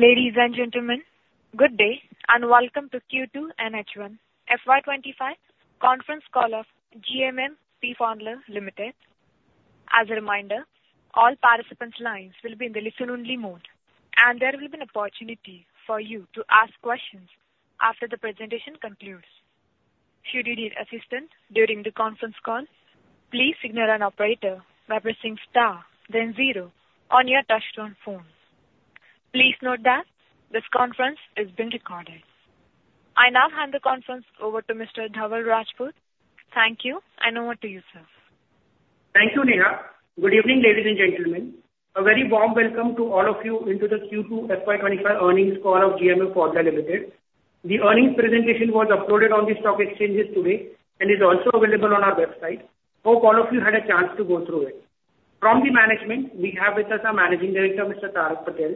Ladies and gentlemen, good day and welcome to the Q2 and H1 FY 2025 Conference Call of GMM Pfaudler Ltd. As a reminder, all participants' lines will be in the listen-only mode, and there will be an opportunity for you to ask questions after the presentation concludes. Should you need assistance during the conference call, please press star then zero on your touch-tone phone to reach the operator. Please note that this conference is being recorded. I now hand the conference over to Mr. Dhaval Rajput. Thank you, and over to you, sir. Thank you, Neha. Good evening, ladies and gentlemen. A very warm welcome to all of you into the Q2 FY 2025 Earnings Call of GMM Pfaudler Ltd. The earnings presentation was uploaded on the stock exchanges today and is also available on our website. Hope all of you had a chance to go through it. From the management, we have with us our Managing Director, Mr. Tarak Patel,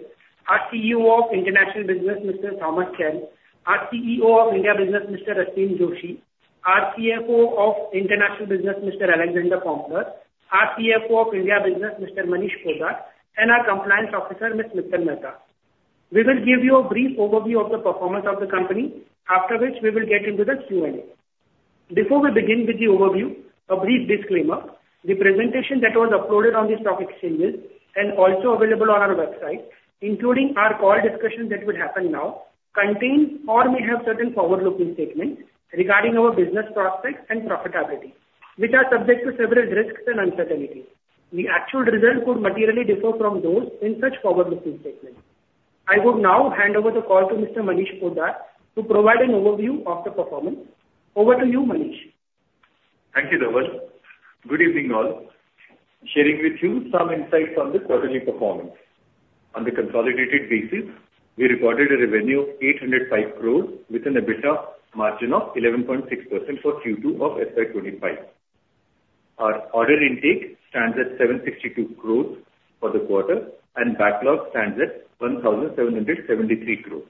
our CEO of International Business, Mr. Thomas Kehl, our CEO of India Business, Mr. Aseem Joshi, our CFO of International Business, Mr. Alexander Poempner, our CFO of India Business, Mr. Manish Poddar, and our Compliance Officer, Ms. Mittal Mehta. We will give you a brief overview of the performance of the company, after which we will get into the Q&A. Before we begin with the overview, a brief disclaimer: the presentation that was uploaded on the stock exchanges and also available on our website, including our call discussion that will happen now, contains or may have certain forward-looking statements regarding our business prospects and profitability, which are subject to several risks and uncertainties. The actual results could materially differ from those in such forward-looking statements. I would now hand over the call to Mr. Manish Poddar to provide an overview of the performance. Over to you, Manish. Thank you, Dhaval. Good evening, all. Sharing with you some insights on the quarterly performance. On the consolidated basis, we reported a revenue of 805 crores with an EBITDA margin of 11.6% for Q2 of FY 2025. Our order intake stands at 762 crores for the quarter, and backlog stands at 1,773 crores.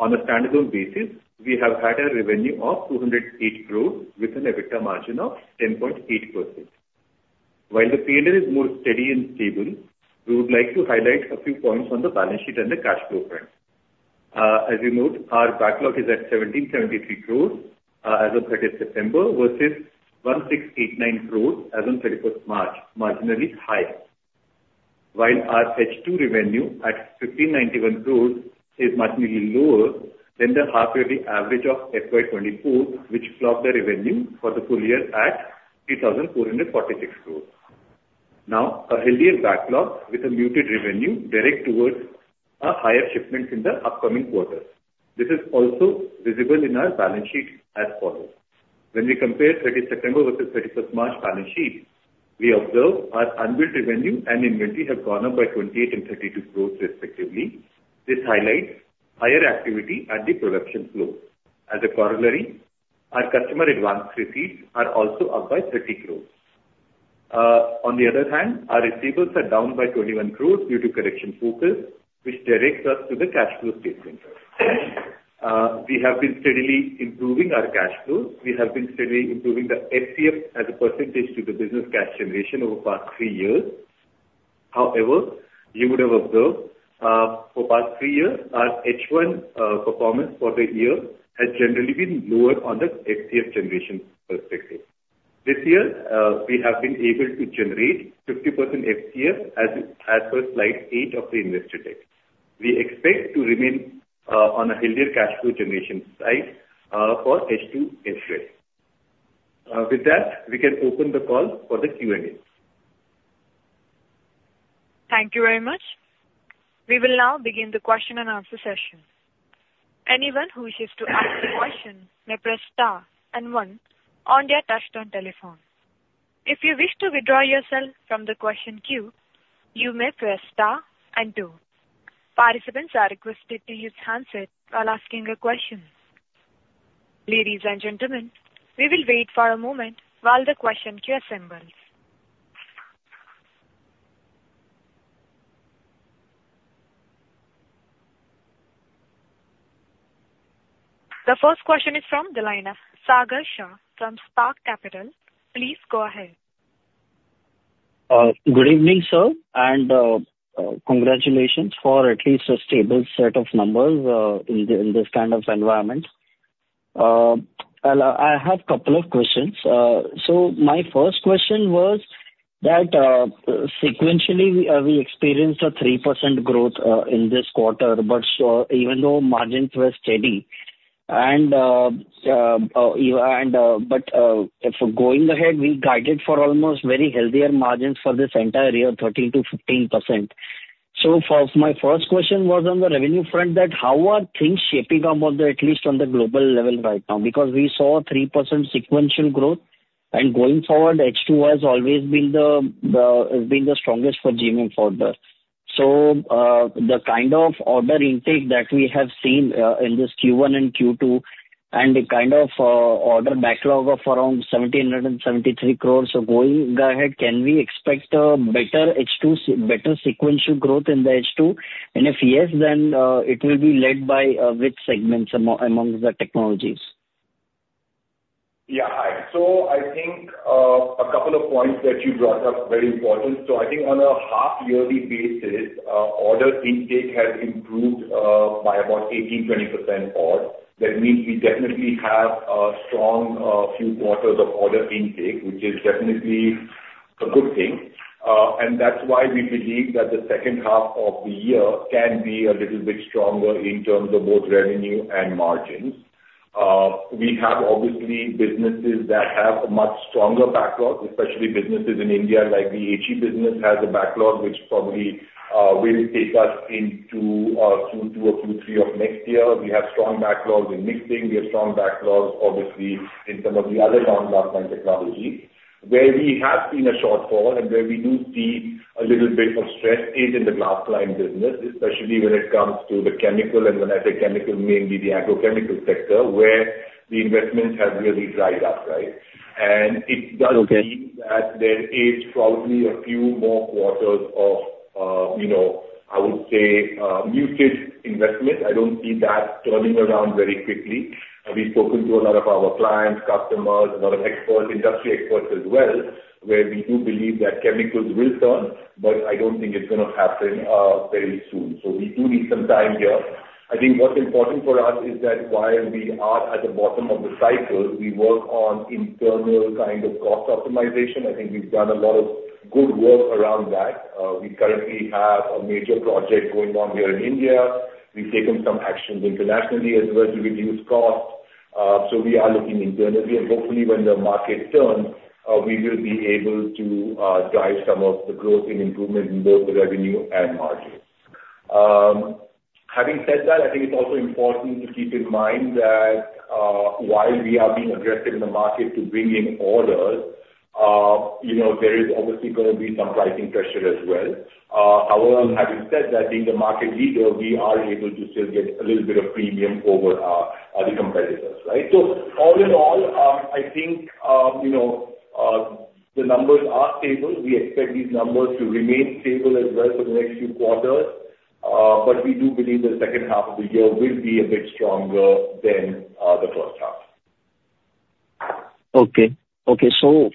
On a standalone basis, we have had a revenue of 208 crores with an EBITDA margin of 10.8%. While the P&L is more steady and stable, we would like to highlight a few points on the balance sheet and the cash flow front. As you note, our backlog is at 1,773 crores as of 30 September versus 1,689 crores as of 31 March, marginally higher. While our H2 revenue at 1,591 crores is marginally lower than the half-yearly average of FY 2024, which clocked the revenue for the full year at 3,446 crores. Now, a healthier backlog with a muted revenue directs towards higher shipments in the upcoming quarter. This is also visible in our balance sheet as follows. When we compare 30 September versus 31 March balance sheets, we observe our unbilled revenue and inventory have gone up by 28 and 32 crores, respectively. This highlights higher activity at the production floor. As a corollary, our customer advance receipts are also up by 30 crores. On the other hand, our receivables are down by 21 crores due to collection focus, which directs us to the cash flow statement. We have been steadily improving our cash flows. We have been steadily improving the FCF as a percentage to the business cash generation over the past three years. However, you would have observed for the past three years, our H1 performance for the year has generally been lower on the FCF generation perspective. This year, we have been able to generate 50% FCF as per slide 8 of the investor deck. We expect to remain on a healthier cash flow generation side for H2 and FCF. With that, we can open the call for the Q&A. Thank you very much. We will now begin the question and answer session. Anyone who wishes to ask a question may press * and 1 on their touch-tone telephone. If you wish to withdraw yourself from the question queue, you may press * and 2. Participants are requested to use handset while asking a question. Ladies and gentlemen, we will wait for a moment while the question queue assembles. The first question is from the line of Sagar Shah from Spark Capital. Please go ahead. Good evening, sir, and congratulations for at least a stable set of numbers in this kind of environment. I have a couple of questions. So my first question was that sequentially we experienced a 3% growth in this quarter, but even though margins were steady, but going ahead, we guided for almost very healthier margins for this entire year, 13%-15%. So my first question was on the revenue front that how are things shaping up at least on the global level right now? Because we saw 3% sequential growth, and going forward, H2 has always been the strongest for GMM Pfaudler. So the kind of order intake that we have seen in this Q1 and Q2, and the kind of order backlog of around 1,773 crores going ahead, can we expect a better H2, better sequential growth in the H2? And if yes, then it will be led by which segments among the technologies? Yeah, hi. So I think a couple of points that you brought up are very important. So I think on a half-yearly basis, order intake has improved by about 18-20% odd. That means we definitely have a strong few quarters of order intake, which is definitely a good thing. And that's why we believe that the second half of the year can be a little bit stronger in terms of both revenue and margins. We have obviously businesses that have a much stronger backlog, especially businesses in India like the HE business has a backlog which probably will take us into Q2 or Q3 of next year. We have strong backlogs in mixing. We have strong backlogs obviously in some of the other non-glass-lined technologies where we have seen a shortfall and where we do see a little bit of stress in the glass-lined business, especially when it comes to the chemical, and when I say chemical, mainly the agrochemical sector where the investments have really dried up, right, and it does mean that there is probably a few more quarters of, I would say, muted investment. I don't see that turning around very quickly. We've spoken to a lot of our clients, customers, a lot of experts, industry experts as well, where we do believe that chemicals will turn, but I don't think it's going to happen very soon, so we do need some time here. I think what's important for us is that while we are at the bottom of the cycle, we work on internal kind of cost optimization. I think we've done a lot of good work around that. We currently have a major project going on here in India. We've taken some actions internationally as well to reduce costs, so we are looking internally, and hopefully when the market turns, we will be able to drive some of the growth and improvement in both the revenue and margins. Having said that, I think it's also important to keep in mind that while we are being aggressive in the market to bring in orders, there is obviously going to be some pricing pressure as well. However, having said that, being the market leader, we are able to still get a little bit of premium over the competitors, right, so all in all, I think the numbers are stable. We expect these numbers to remain stable as well for the next few quarters, but we do believe the second half of the year will be a bit stronger than the first half. But industrial,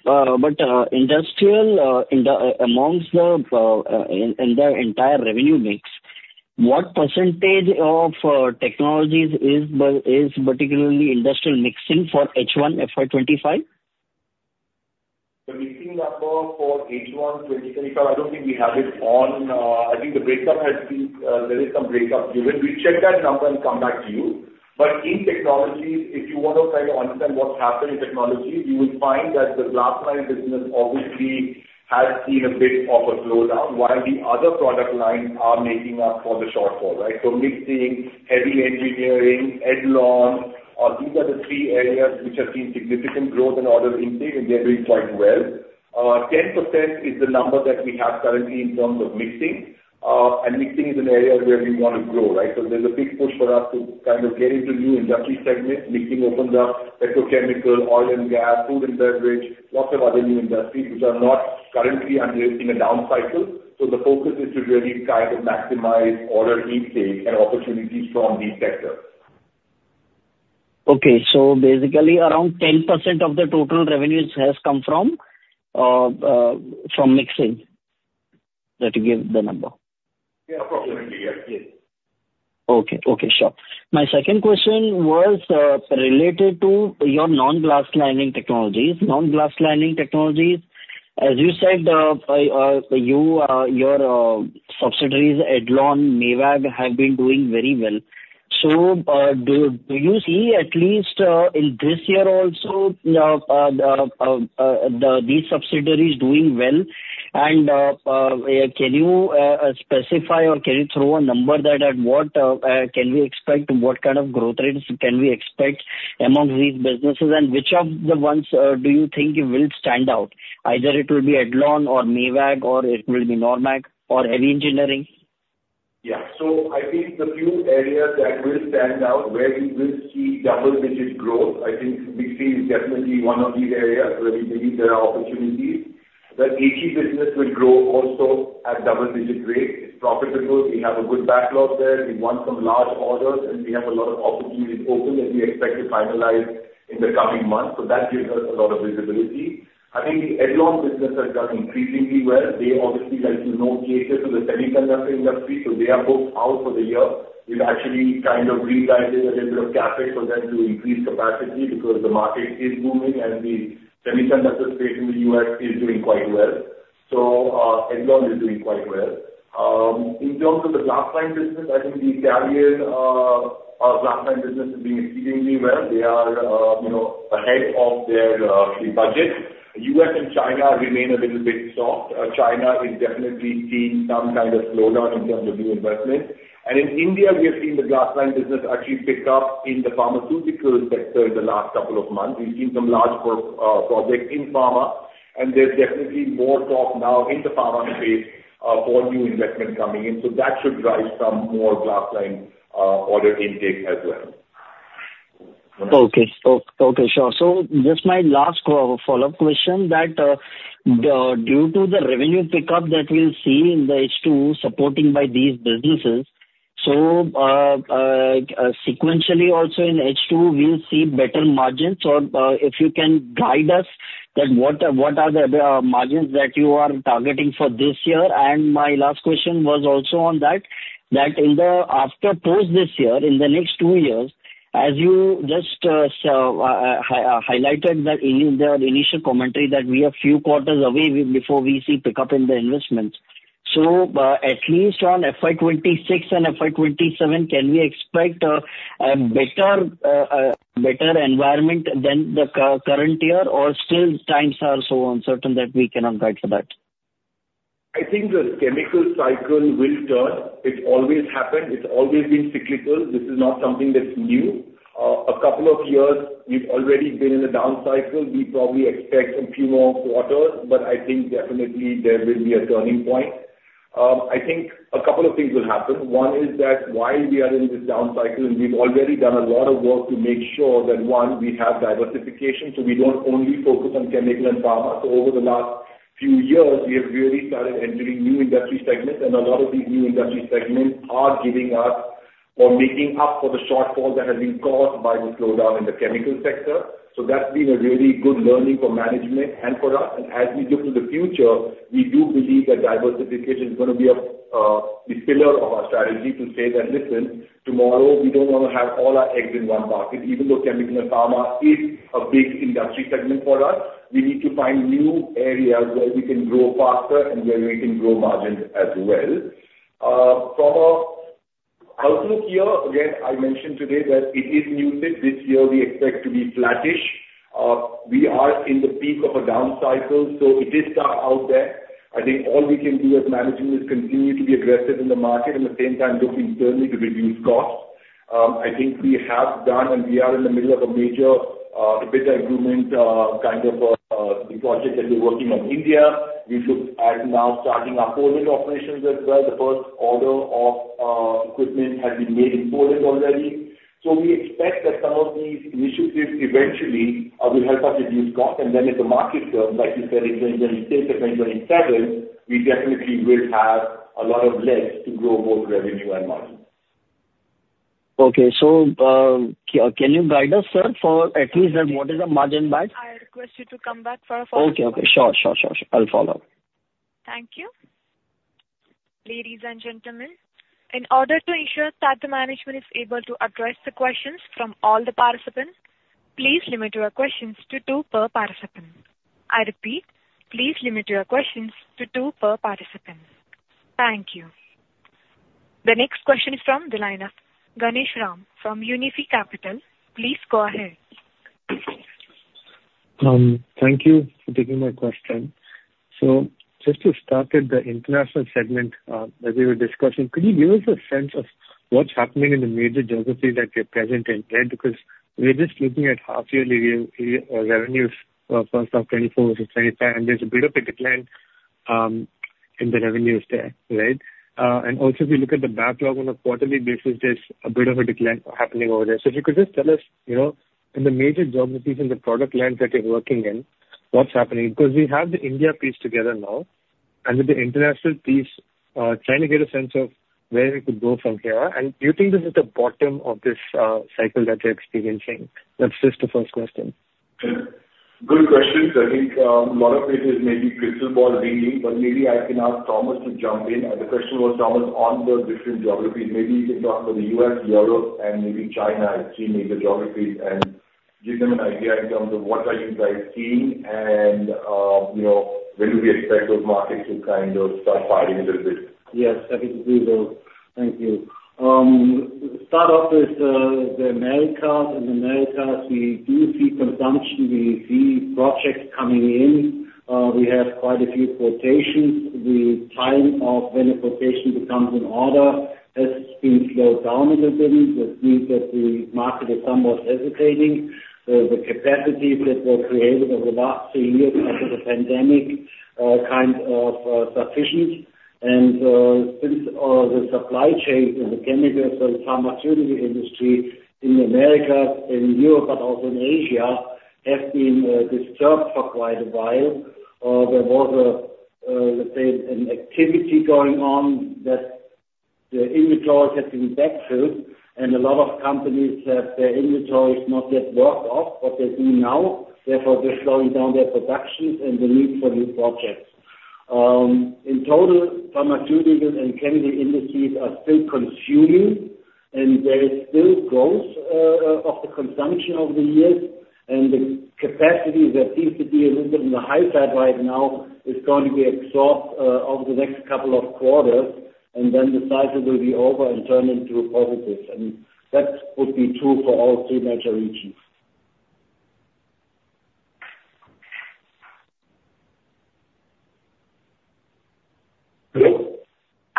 among the entire revenue mix, what percentage of technologies is particularly industrial mixing for H1 FY 2025? The mixing number for H1 2025, I don't think we have it on. I think the breakdown has been there is some breakdown. We will check that number and come back to you, but in technologies, if you want to kind of understand what's happening in technologies, you will find that the glass-lined business obviously has seen a bit of a slowdown while the other product lines are making up for the shortfall, right, so mixing, heavy engineering, Edlon, these are the three areas which have seen significant growth in order intake, and they're doing quite well. 10% is the number that we have currently in terms of mixing, and mixing is an area where we want to grow, right, so there's a big push for us to kind of get into new industry segments. Mixing opens up petrochemical, oil and gas, food and beverage, lots of other new industries which are not currently in a down cycle. So the focus is to really try to maximize order intake and opportunities from these sectors. Okay, so basically around 10% of the total revenues has come from mixing. Let me give the number. Yeah, approximately, yes. Yes. Okay. Okay. Sure. My second question was related to your non-glass-lining technologies. Non-glass-lining technologies, as you said, your subsidiaries, Edlon, Mavag, have been doing very well. So do you see at least in this year also these subsidiaries doing well? And can you specify or can you throw a number that at what can we expect, what kind of growth rates can we expect amongst these businesses, and which of the ones do you think will stand out? Either it will be Edlon or Mavag, or it will be Normag or heavy engineering? Yeah. So I think the few areas that will stand out where we will see double-digit growth. I think mixing is definitely one of these areas where we believe there are opportunities. The HE business will grow also at double-digit rate. It's profitable. We have a good backlog there. We won some large orders, and we have a lot of opportunities open that we expect to finalize in the coming months. So that gives us a lot of visibility. I think the Edlon business has done increasingly well. They obviously, as you know, cater to the semiconductor industry, so they are booked out for the year. We've actually kind of realized a little bit of capping for them to increase capacity because the market is booming, and the semiconductor space in the U.S. is doing quite well. So Edlon is doing quite well. In terms of the glass-lined business, I think the Italian glass-lined business is doing exceedingly well. They are ahead of their budget. U.S. and China remain a little bit soft. China is definitely seeing some kind of slowdown in terms of new investment. And in India, we have seen the glass-lined business actually pick up in the pharmaceutical sector in the last couple of months. We've seen some large projects in pharma, and there's definitely more talk now in the pharma space for new investment coming in. So that should drive some more glass-lined order intake as well. Okay. Okay. Sure. So just my last follow-up question that due to the revenue pickup that we'll see in the H2 supporting by these businesses, so sequentially also in H2, we'll see better margins. So if you can guide us, what are the margins that you are targeting for this year? And my last question was also on that, that after post this year, in the next two years, as you just highlighted in the initial commentary that we are a few quarters away before we see pickup in the investments. So at least on FY 2026 and FY 2027, can we expect a better environment than the current year, or still times are so uncertain that we cannot guide for that? I think the chemical cycle will turn. It's always happened. It's always been cyclical. This is not something that's new. A couple of years, we've already been in a down cycle. We probably expect a few more quarters, but I think definitely there will be a turning point. I think a couple of things will happen. One is that while we are in this down cycle, and we've already done a lot of work to make sure that, one, we have diversification so we don't only focus on chemical and pharma. So over the last few years, we have really started entering new industry segments, and a lot of these new industry segments are giving us or making up for the shortfall that has been caused by the slowdown in the chemical sector. So that's been a really good learning for management and for us. And as we look to the future, we do believe that diversification is going to be a pillar of our strategy to say that, "Listen, tomorrow we don't want to have all our eggs in one basket." Even though chemical and pharma is a big industry segment for us, we need to find new areas where we can grow faster and where we can grow margins as well. From an outlook here, again, I mentioned today that it is muted. This year, we expect to be flattish. We are in the peak of a down cycle, so it is stuck out there. I think all we can do as management is continue to be aggressive in the market and at the same time look internally to reduce costs. I think we have done, and we are in the middle of a major EBITDA improvement kind of project that we're working on in India. We've looked at now starting our Poland operations as well. The first order of equipment has been made in Poland already. So we expect that some of these initiatives eventually will help us reduce costs. And then in the medium term, like you said, in 2026 or 2027, we definitely will have a lot of legs to grow both revenue and margin. Okay. So can you guide us, sir, for at least what is the margin by? I request you to come back for a follow-up. Okay. Sure. I'll follow up. Thank you. Ladies and gentlemen, in order to ensure that the management is able to address the questions from all the participants, please limit your questions to two per participant. I repeat, please limit your questions to two per participant. Thank you. The next question is from the line of Ganesh Ram from Unifi Capital. Please go ahead. Thank you for taking my question. So just to start with the international segment that we were discussing, could you give us a sense of what's happening in the major geographies that you're present in, right? Because we're just looking at half-yearly revenues for 2024 versus 2025, and there's a bit of a decline in the revenues there, right? And also, if you look at the backlog on a quarterly basis, there's a bit of a decline happening over there. So if you could just tell us, in the major geographies and the product lines that you're working in, what's happening? Because we have the India piece together now, and with the international piece, trying to get a sense of where we could go from here. And do you think this is the bottom of this cycle that you're experiencing? That's just the first question. Good question. I think a lot of it is maybe crystal ball thinking, but maybe I can ask Thomas to jump in, and the question was, Thomas, on the different geographies, maybe you can talk about the U.S., Europe, and maybe China as three major geographies and give them an idea in terms of what are you guys seeing and when do we expect those markets to kind of start firing a little bit? Yes, absolutely. Thank you. Start off with the Americas. In Americas, we do see consumption. We see projects coming in. We have quite a few quotations. The time of when a quotation becomes an order has been slowed down a little bit, which means that the market is somewhat hesitating. The capacities that were created over the last three years after the pandemic are kind of sufficient, and since the supply chains in the chemicals and pharmaceutical industry in America, in Europe, but also in Asia have been disturbed for quite a while, there was, let's say, an activity going on that the inventories have been backfilled, and a lot of companies have their inventories not yet worked off what they do now. Therefore, they're slowing down their productions and the need for new projects. In total, pharmaceutical and chemical industries are still consuming, and there is still growth of the consumption over the years, and the capacity that seems to be a little bit on the high side right now is going to be absorbed over the next couple of quarters, and then the cycle will be over and turn into a positive, and that would be true for all three major regions.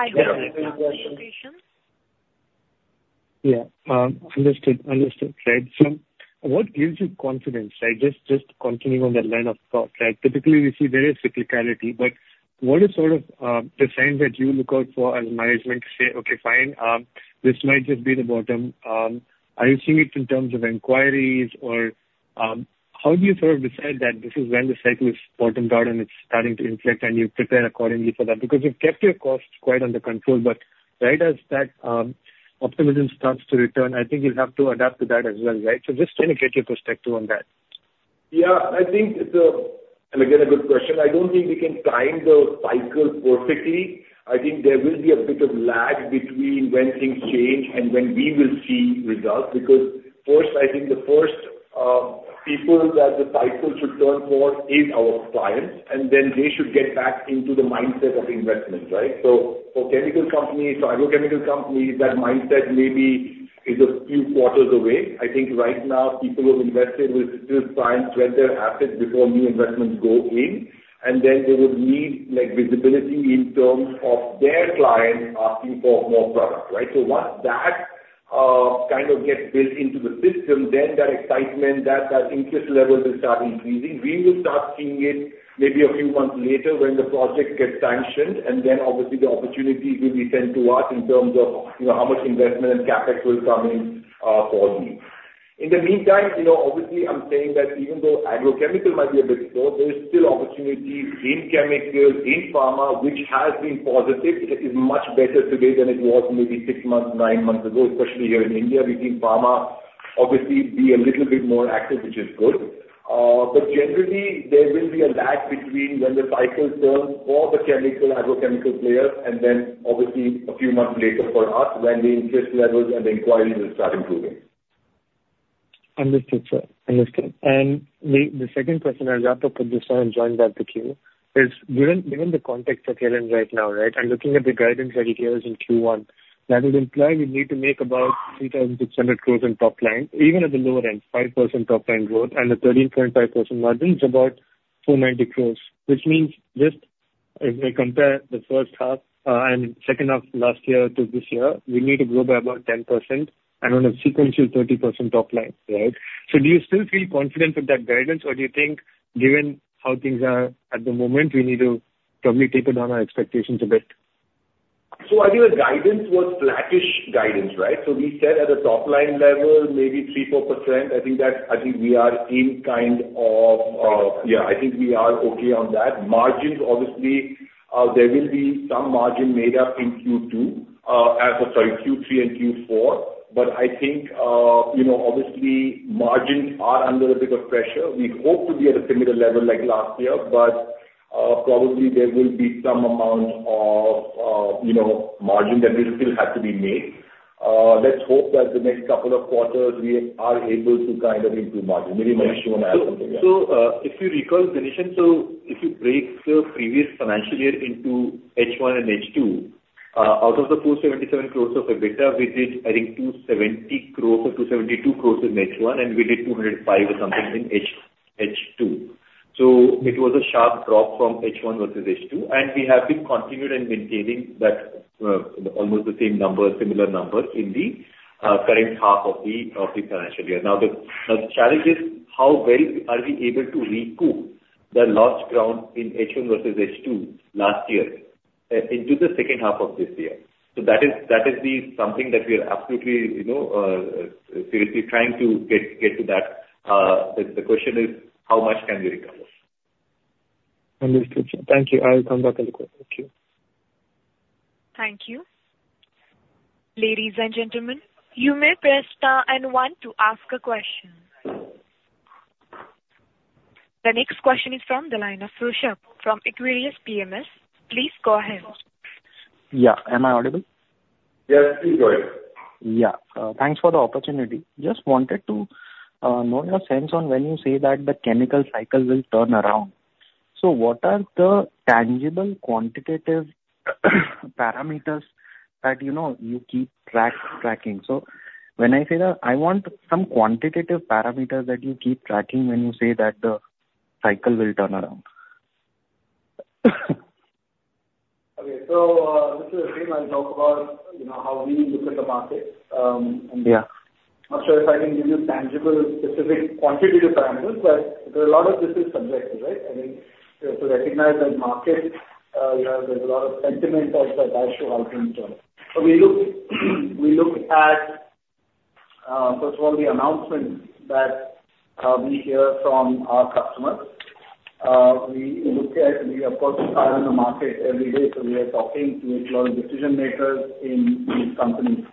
Hello? I heard a question. Yeah. Understood. Right. So what gives you confidence? Just continuing on that line of thought, right? Typically, we see various cyclicality, but what is sort of the signs that you look out for as a management to say, "Okay, fine, this might just be the bottom"? Are you seeing it in terms of inquiries, or how do you sort of decide that this is when the cycle is bottomed out and it's starting to inflect, and you prepare accordingly for that? Because you've kept your costs quite under control, but right as that optimism starts to return, I think you'll have to adapt to that as well, right? So just trying to get your perspective on that. Yeah. I think so. And again, a good question. I don't think we can time the cycle perfectly. I think there will be a bit of lag between when things change and when we will see results. Because first, I think the first people that the cycle should turn for is our clients, and then they should get back into the mindset of investment, right? So for chemical companies, for agrochemical companies, that mindset maybe is a few quarters away. I think right now, people who have invested will still try and spread their assets before new investments go in, and then they would need visibility in terms of their clients asking for more products, right? So once that kind of gets built into the system, then that excitement, that interest level will start increasing. We will start seeing it maybe a few months later when the project gets sanctioned, and then obviously the opportunities will be sent to us in terms of how much investment and CapEx will come in for you. In the meantime, obviously, I'm saying that even though agrochemical might be a bit slow, there's still opportunities in chemicals, in pharma, which has been positive. It is much better today than it was maybe six months, nine months ago, especially here in India. We've seen pharma obviously be a little bit more active, which is good. But generally, there will be a lag between when the cycle turns for the chemical, agrochemical players, and then obviously a few months later for us when the interest levels and the inquiries will start improving. Understood, sir. Understood. The second question I'll have to put this one and join back to Q is given the context that you're in right now, right, and looking at the guidance that it gives in Q1, that would imply we need to make about 3,600 crores in top line. Even at the lower end, 5% top line growth and a 13.5% margin is about 490 crores, which means just if we compare the first half and second half last year to this year, we need to grow by about 10% and on a sequential 30% top line, right? So do you still feel confident with that guidance, or do you think given how things are at the moment, we need to probably taper down our expectations a bit? So I think the guidance was flattish guidance, right? So we said at the top line level, maybe 3%-4%. I think we are in kind of, yeah, I think we are okay on that. Margins, obviously, there will be some margin made up in Q2, sorry, Q3 and Q4. But I think obviously margins are under a bit of pressure. We hope to be at a similar level like last year, but probably there will be some amount of margin that will still have to be made. Let's hope that the next couple of quarters we are able to kind of improve margin. Maybe Manish, you want to add something? So if you recall, Ganesh Ram, so if you break the previous financial year into H1 and H2, out of the 477 crores of EBITDA, we did, I think, 270 crores or 272 crores in H1, and we did 205 crores or something in H2. So it was a sharp drop from H1 versus H2, and we have been continuing and maintaining that almost the same number, similar number in the current half of the financial year. Now, the challenge is how well are we able to recoup the lost ground in H1 versus H2 last year into the second half of this year. So that is something that we are absolutely seriously trying to get to that. The question is how much can we recover? Understood, sir. Thank you. I'll come back to the question. Thank you. Thank you. Ladies and gentlemen, you may press star and one to ask a question. The next question is from the line of Rishabh from Aquarius PMS. Please go ahead. Yeah. Am I audible? Yes, please go ahead. Yeah. Thanks for the opportunity. Just wanted to know your sense on when you say that the chemical cycle will turn around? So what are the tangible quantitative parameters that you keep tracking? So when I say that, I want some quantitative parameters that you keep tracking when you say that the cycle will turn around. Okay, so this is the same I talk about how we look at the market, and I'm not sure if I can give you tangible, specific quantitative parameters, but a lot of this is subjective, right? I mean, to recognize that market, there's a lot of sentiment that I should help you in terms, so we look at, first of all, the announcements that we hear from our customers. We look at, of course, the state of the market every day, so we are talking to a lot of decision makers in these companies,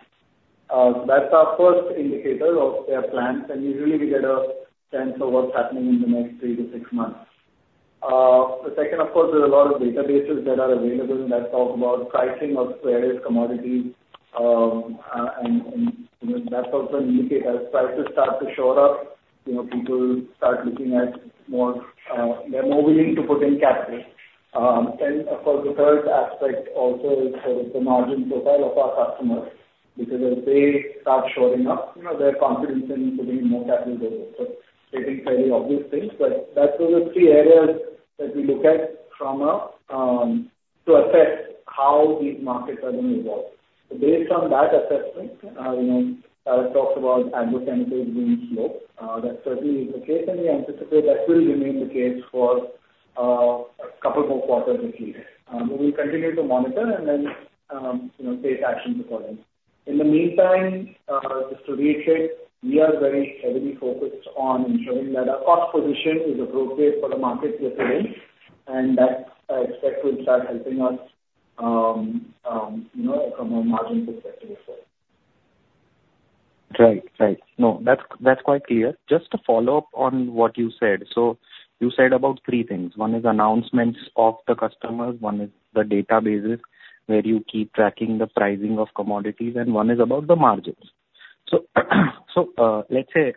so that's our first indicator of their plans, and usually we get a sense of what's happening in the next three to six months. The second, of course, there are a lot of databases that are available that talk about pricing of various commodities, and that's also an indicator. As prices start to shore up, people start looking at more; they're more willing to put in capital. And of course, the third aspect also is the margin profile of our customers. Because as they start shoring up, their confidence in putting in more capital goes up. So they think fairly obvious things, but that's the three areas that we look at to assess how these markets are going to evolve. Based on that assessment, I've talked about agrochemicals being slow. That certainly is the case, and we anticipate that will remain the case for a couple more quarters at least. We will continue to monitor and then take actions accordingly. In the meantime, just to reiterate, we are very heavily focused on ensuring that our cost position is appropriate for the market we're put in, and that I expect will start helping us from a margin perspective as well. Right. Right. No, that's quite clear. Just to follow up on what you said. So you said about three things. One is announcements of the customers. One is the databases where you keep tracking the pricing of commodities, and one is about the margins. So let's say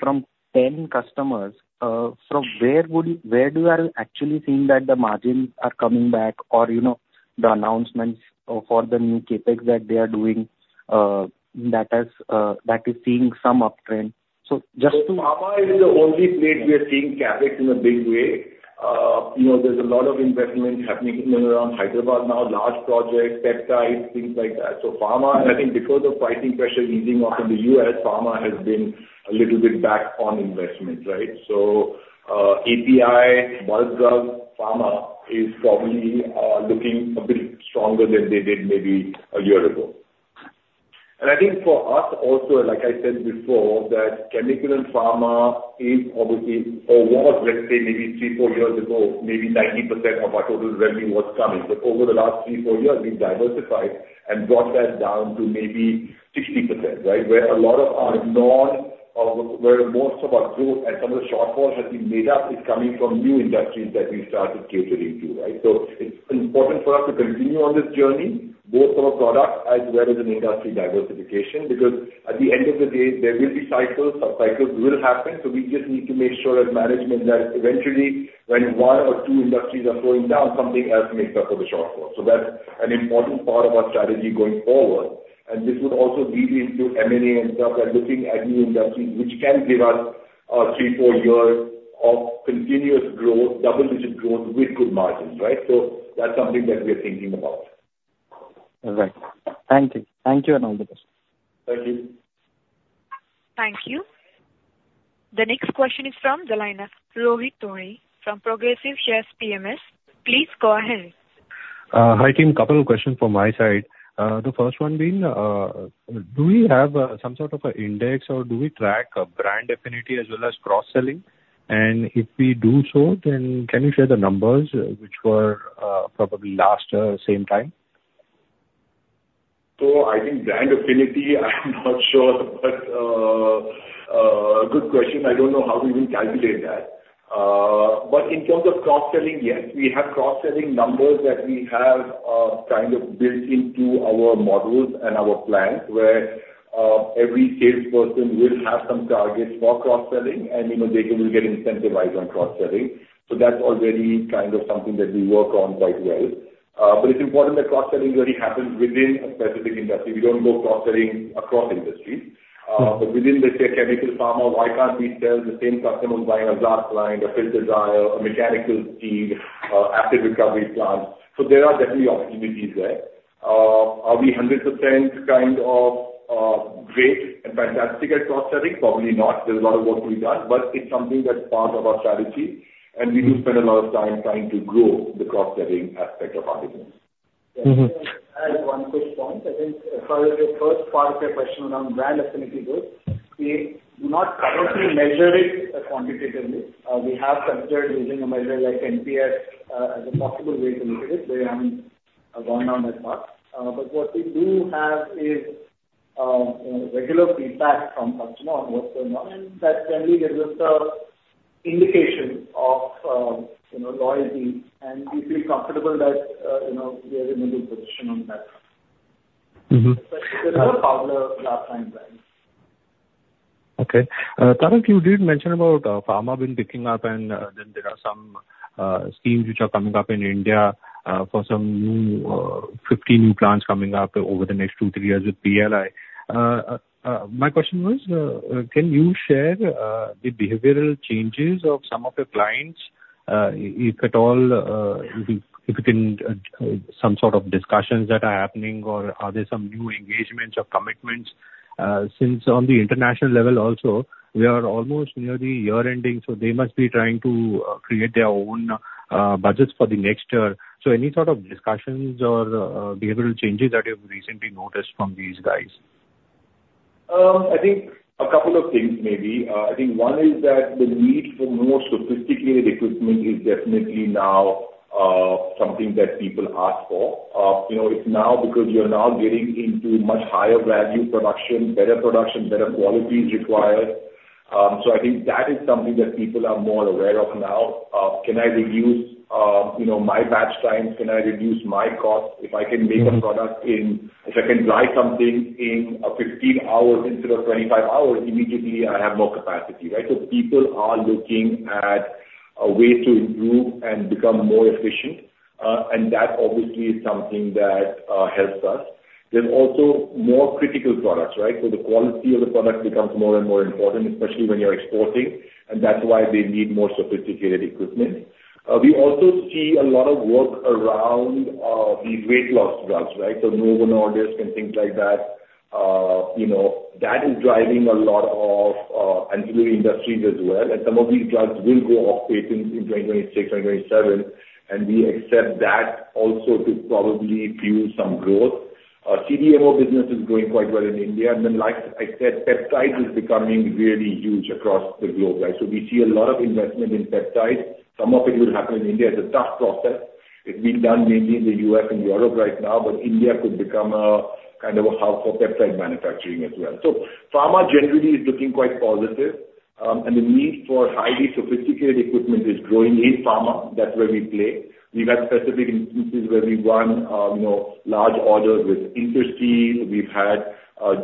from 10 customers, from where do you actually see that the margins are coming back or the announcements for the new CapEx that they are doing that is seeing some uptrend? So just to. Pharma is the only place we are seeing CapEx in a big way. There's a lot of investment happening in and around Hyderabad now, large projects, peptides, things like that. So pharma, and I think because of pricing pressure easing off in the U.S., pharma has been a little bit back on investment, right? So API, Bharat Group, pharma is probably looking a bit stronger than they did maybe a year ago. And I think for us also, like I said before, that chemical and pharma is obviously or was, let's say, maybe three, four years ago, maybe 90% of our total revenue was coming. But over the last three, four years, we've diversified and brought that down to maybe 60%, right? Where most of our growth and some of the shortfalls have been made up is coming from new industries that we started catering to, right? So it's important for us to continue on this journey, both for a product as well as an industry diversification, because at the end of the day, there will be cycles. Cycles will happen. So we just need to make sure as management that eventually, when one or two industries are slowing down, something else makes up for the shortfall. So that's an important part of our strategy going forward. And this would also lead into M&A and stuff and looking at new industries, which can give us three, four years of continuous growth, double-digit growth with good margins, right? So that's something that we are thinking about. All right. Thank you. Thank you and all the best. Thank you. Thank you. The next question is from the line of Rohit Ohri from Progressive Shares PMS. Please go ahead. Hi team. Couple of questions from my side. The first one being, do we have some sort of an index or do we track brand affinity as well as cross-selling, and if we do so, then can you share the numbers which were probably last same time? So I think brand affinity. I'm not sure, but good question. I don't know how we even calculate that. But in terms of cross-selling, yes, we have cross-selling numbers that we have kind of built into our models and our plans where every salesperson will have some targets for cross-selling, and they will get incentivized on cross-selling. So that's already kind of something that we work on quite well. But it's important that cross-selling really happens within a specific industry. We don't go cross-selling across industries. But within the chemical, pharma, why can't we sell the same customers buying a glass line, a filter dryer, a mechanical seal, acid recovery plant? So there are definitely opportunities there. Are we 100% kind of great and fantastic at cross-selling? Probably not. There's a lot of work to be done, but it's something that's part of our strategy. We do spend a lot of time trying to grow the cross-selling aspect of our business. I have one quick point. I think as far as the first part of your question around brand affinity goes, we do not currently measure it quantitatively. We have considered using a measure like NPS as a possible way to look at it. We haven't gone down that path. But what we do have is regular feedback from customers on what's going on, and that generally gives us an indication of loyalty, and we feel comfortable that we are in a good position on that front. Especially the other part of the glass-lined brands. Okay. Tarak, you did mention about pharma being picking up, and then there are some schemes which are coming up in India for some 50 new plants coming up over the next two, three years with PLI. My question was, can you share the behavioral changes of some of your clients, if at all, if it's in some sort of discussions that are happening, or are there some new engagements or commitments? Since on the international level also, we are almost near the year ending, so they must be trying to create their own budgets for the next year. So any sort of discussions or behavioral changes that you've recently noticed from these guys? I think a couple of things maybe. I think one is that the need for more sophisticated equipment is definitely now something that people ask for. It's now because you're now getting into much higher value production, better production, better quality is required. So I think that is something that people are more aware of now. Can I reduce my batch times? Can I reduce my costs? If I can dry something in 15 hours instead of 25 hours, immediately I have more capacity, right? So people are looking at a way to improve and become more efficient, and that obviously is something that helps us. There's also more critical products, right? So the quality of the product becomes more and more important, especially when you're exporting, and that's why they need more sophisticated equipment. We also see a lot of work around these weight loss drugs, right? So Novo Nordisk and things like that. That is driving a lot of ancillary industries as well. And some of these drugs will go off patents in 2026, 2027, and we expect that also to probably fuel some growth. CDMO business is growing quite well in India. And then, like I said, peptides is becoming really huge across the globe, right? So we see a lot of investment in peptides. Some of it will happen in India. It's a tough process. It's being done mainly in the U.S. and Europe right now, but India could become kind of a hub for peptide manufacturing as well. So pharma generally is looking quite positive, and the need for highly sophisticated equipment is growing in pharma. That's where we play. We've had specific instances where we've won large orders with Interseal. We've had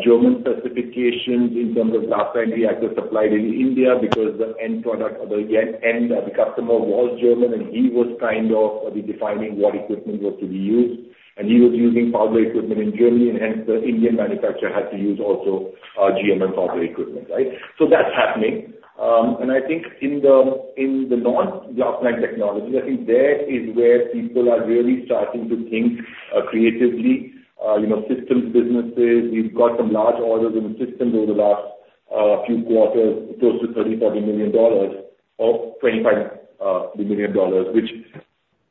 German specifications in terms of glass-lined access supplied in India because the end product or the end customer was German, and he was kind of defining what equipment was to be used. He was using Pfaudler equipment in Germany, and hence the Indian manufacturer had to use also GMM Pfaudler equipment, right? That's happening. I think in the non-glass-lined technology, there is where people are really starting to think creatively. In systems businesses, we've got some large orders in systems over the last few quarters, close to $30-$40 million or $25 million, which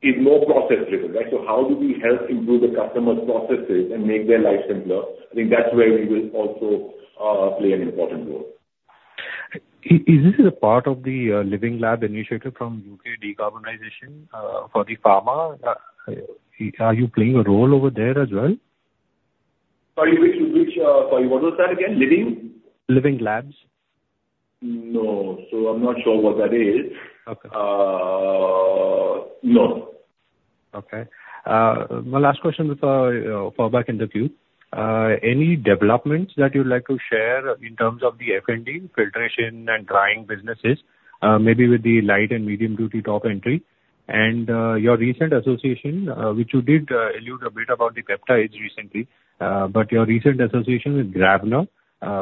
is more process-driven, right? How do we help improve the customer's processes and make their life simpler? I think that's where we will also play an important role. Is this a part of the Living Lab initiative from U.K. Decarbonization for the pharma? Are you playing a role over there as well? Sorry, which was that again? Living? Living Labs. No. So I'm not sure what that is. Okay. No. Okay. My last question before I back into Q. Any developments that you'd like to share in terms of the F&D filtration and drying businesses, maybe with the light and medium-duty top entry? And your recent association, which you did allude a bit about the peptides recently, but your recent association with Gravner,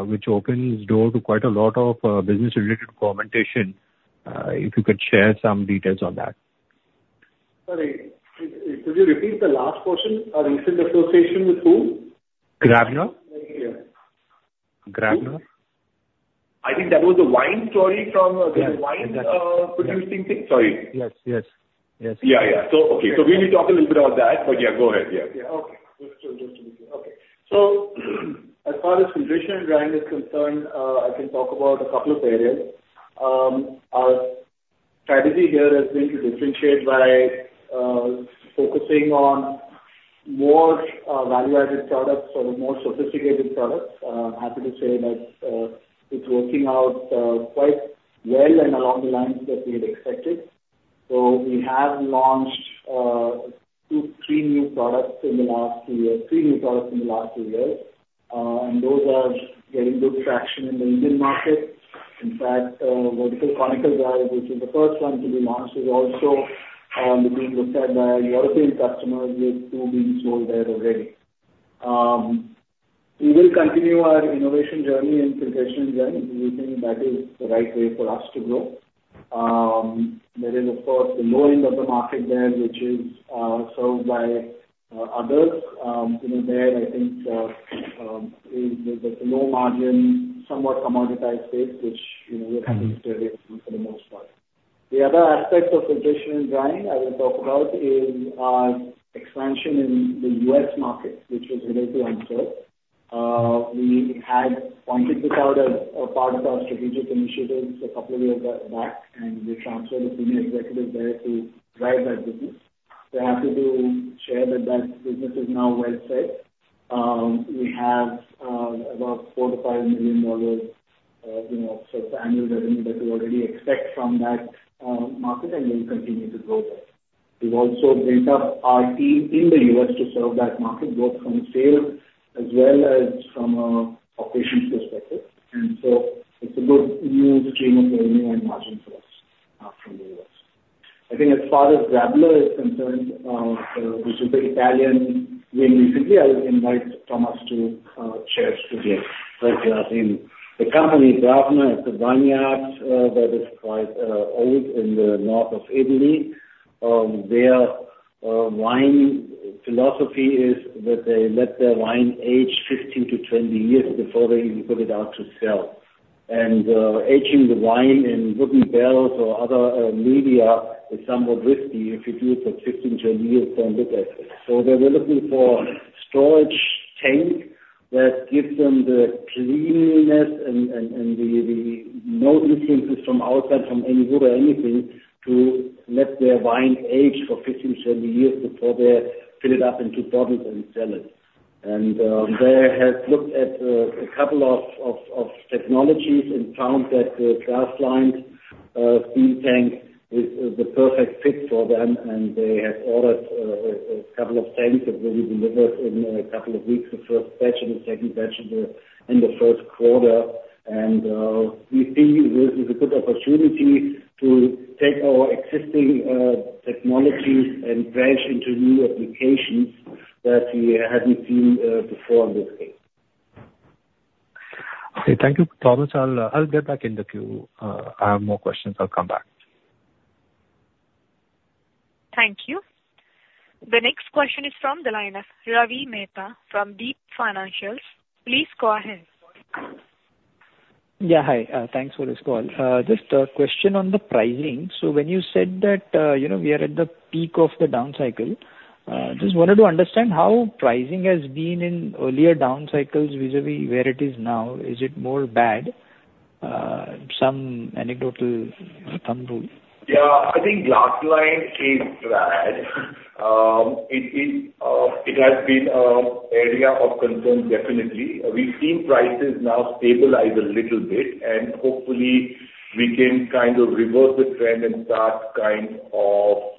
which opens the door to quite a lot of business-related communication, if you could share some details on that. Sorry, could you repeat the last question? Our recent association with who? Gravner. Yeah. Gravner. I think that was the wine story from the wine producing thing. Sorry. Yes. Yes. Yes. Yeah. Yeah. So, okay. So we will talk a little bit about that, but yeah, go ahead. Yeah. Yeah. Okay. Just to be clear. Okay. So as far as filtration and drying is concerned, I can talk about a couple of areas. Our strategy here has been to differentiate by focusing on more value-added products or more sophisticated products. I'm happy to say that it's working out quite well and along the lines that we had expected. So we have launched two, three new products in the last three years, three new products in the last two years. And those are getting good traction in the Indian market. In fact, Vertical Conical Dryer, which is the first one to be launched, is also being looked at by European customers, with two being sold there already. We will continue our innovation journey in filtration and drying. We think that is the right way for us to grow. There is, of course, the low end of the market there, which is served by others. There, I think, is the low margin, somewhat commoditized space, which we're happy to stay away from for the most part. The other aspect of filtration and drying I will talk about is our expansion in the U.S. market, which was really to onshore. We had pointed this out as a part of our strategic initiatives a couple of years back, and we transferred a senior executive there to drive that business. So I have to share that that business is now well set. We have about $4-$5 million sort of annual revenue that we already expect from that market and will continue to grow there. We've also built up our team in the U.S. to serve that market, both from sales as well as from an operations perspective. It's a good new stream of revenue and margin for us from the U.S. I think as far as Gravner is concerned, which is the Italian win recently, I will invite Thomas to share it with you. Thank you. The company Gravner is a vineyard that is quite old in the north of Italy, where wine philosophy is that they let their wine age 15-20 years before they even put it out to sell. And aging the wine in wooden barrels or other media is somewhat risky if you do it for 15-20 years then look at it. So they were looking for a storage tank that gives them the cleanliness and the no influences from outside, from any wood or anything, to let their wine age for 15-20 years before they fill it up into bottles and sell it. They have looked at a couple of technologies and found that the glass-lined steel tank is the perfect fit for them, and they have ordered a couple of tanks that will be delivered in a couple of weeks, the first batch and the second batch in the first quarter. We see this is a good opportunity to take our existing technologies and branch into new applications that we hadn't seen before in this case. Okay. Thank you, Thomas. I'll get back into Q. I have more questions. I'll come back. Thank you. The next question is from the line of Ravi Mehta from Deep Financial. Please go ahead. Yeah. Hi. Thanks for this call. Just a question on the pricing. So when you said that we are at the peak of the down cycle, just wanted to understand how pricing has been in earlier down cycles vis-à-vis where it is now. Is it more bad? Some anecdotal thumb rule. Yeah. I think glass-lined is bad. It has been an area of concern, definitely. We've seen prices now stabilize a little bit, and hopefully, we can kind of reverse the trend and start kind of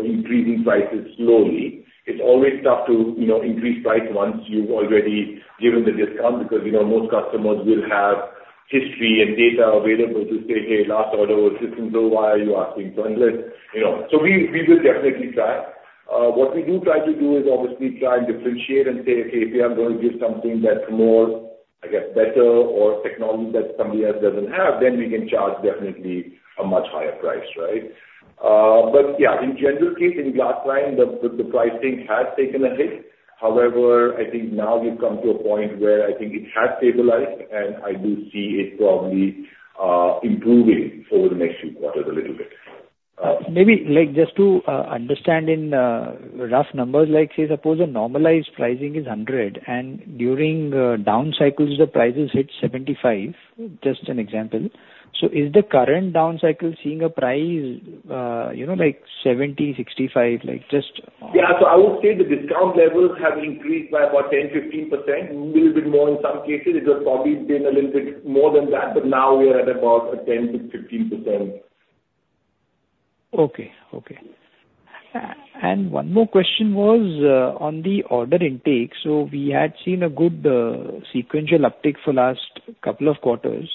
increasing prices slowly. It's always tough to increase price once you've already given the discount because most customers will have history and data available to say, "Hey, last order was this and so high. You are asking for unless." So we will definitely try. What we do try to do is obviously try and differentiate and say, "Okay, if you are going to give something that's more, I guess, better or technology that somebody else doesn't have, then we can charge definitely a much higher price," right? But yeah, in general case, in glass-lined, the pricing has taken a hit. However, I think now we've come to a point where I think it has stabilized, and I do see it probably improving over the next few quarters a little bit. Maybe just to understand in rough numbers, say, suppose a normalized pricing is 100, and during down cycles, the prices hit 75, just an example. So is the current down cycle seeing a price like 70, 65, just? Yeah. So I would say the discount levels have increased by about 10-15%, a little bit more in some cases. It would probably have been a little bit more than that, but now we are at about 10-15%. Okay. Okay. And one more question was on the order intake. So we had seen a good sequential uptake for the last couple of quarters.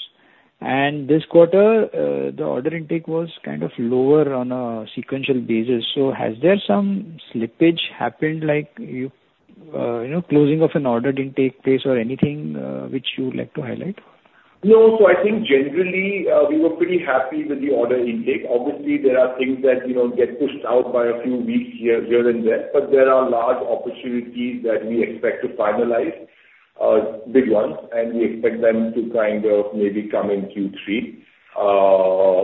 And this quarter, the order intake was kind of lower on a sequential basis. So has there some slippage happened, like closing of an order intake phase or anything which you would like to highlight? No. So I think generally, we were pretty happy with the order intake. Obviously, there are things that get pushed out by a few weeks here and there, but there are large opportunities that we expect to finalize, big ones, and we expect them to kind of maybe come in Q3.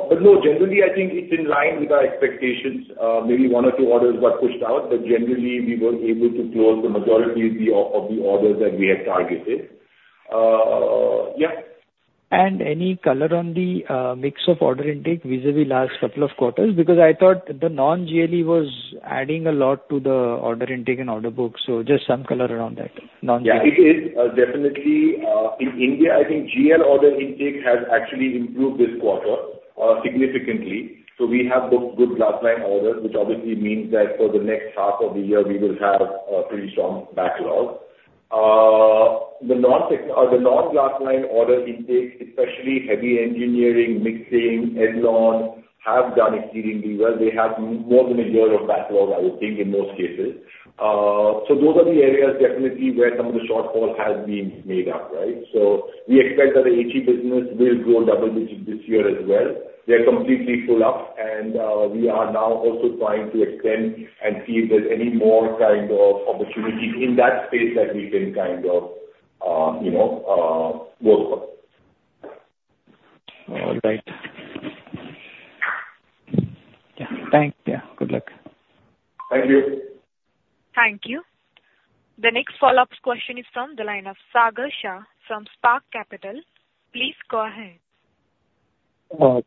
But no, generally, I think it's in line with our expectations. Maybe one or two orders got pushed out, but generally, we were able to close the majority of the orders that we had targeted. Yeah. Any color on the mix of order intake vis-à-vis last couple of quarters? Because I thought the non-GLE was adding a lot to the order intake and order book. So just some color around that, non-GLE. Yeah. It is definitely. In India, I think GL order intake has actually improved this quarter significantly. So we have booked good glass-lined orders, which obviously means that for the next half of the year, we will have a pretty strong backlog. The non-glass-lined order intake, especially heavy engineering, mixing, Edlon, have done exceedingly well. They have more than a year of backlog, I would think, in most cases. So those are the areas definitely where some of the shortfall has been made up, right? So we expect that the HE business will grow double digits this year as well. They're completely full up, and we are now also trying to extend and see if there's any more kind of opportunities in that space that we can kind of work on. All right. Yeah. Thanks. Yeah. Good luck. Thank you. Thank you. The next follow-up question is from the line of Sagar Shah from Spark Capital. Please go ahead.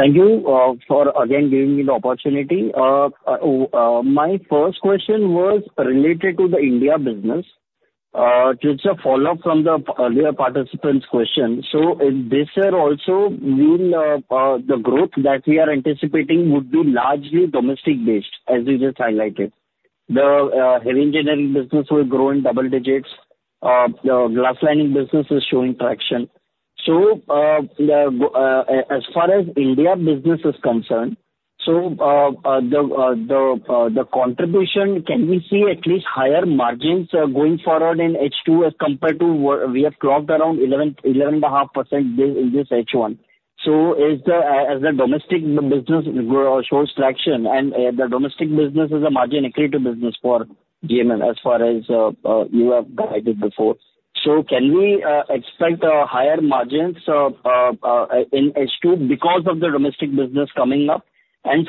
Thank you for, again, giving me the opportunity. My first question was related to the India business. It's a follow-up from the earlier participant's question. So this year also, the growth that we are anticipating would be largely domestic-based, as you just highlighted. The heavy engineering business will grow in double digits. The glass-lined business is showing traction. So as far as the India business is concerned, so the contribution, can we see at least higher margins going forward in H2 as compared to the 11.5% we have clocked around in this H1? So as the domestic business shows traction, and the domestic business is a margin accretive business for GMM as far as you have guided before. So can we expect higher margins in H2 because of the domestic business coming up?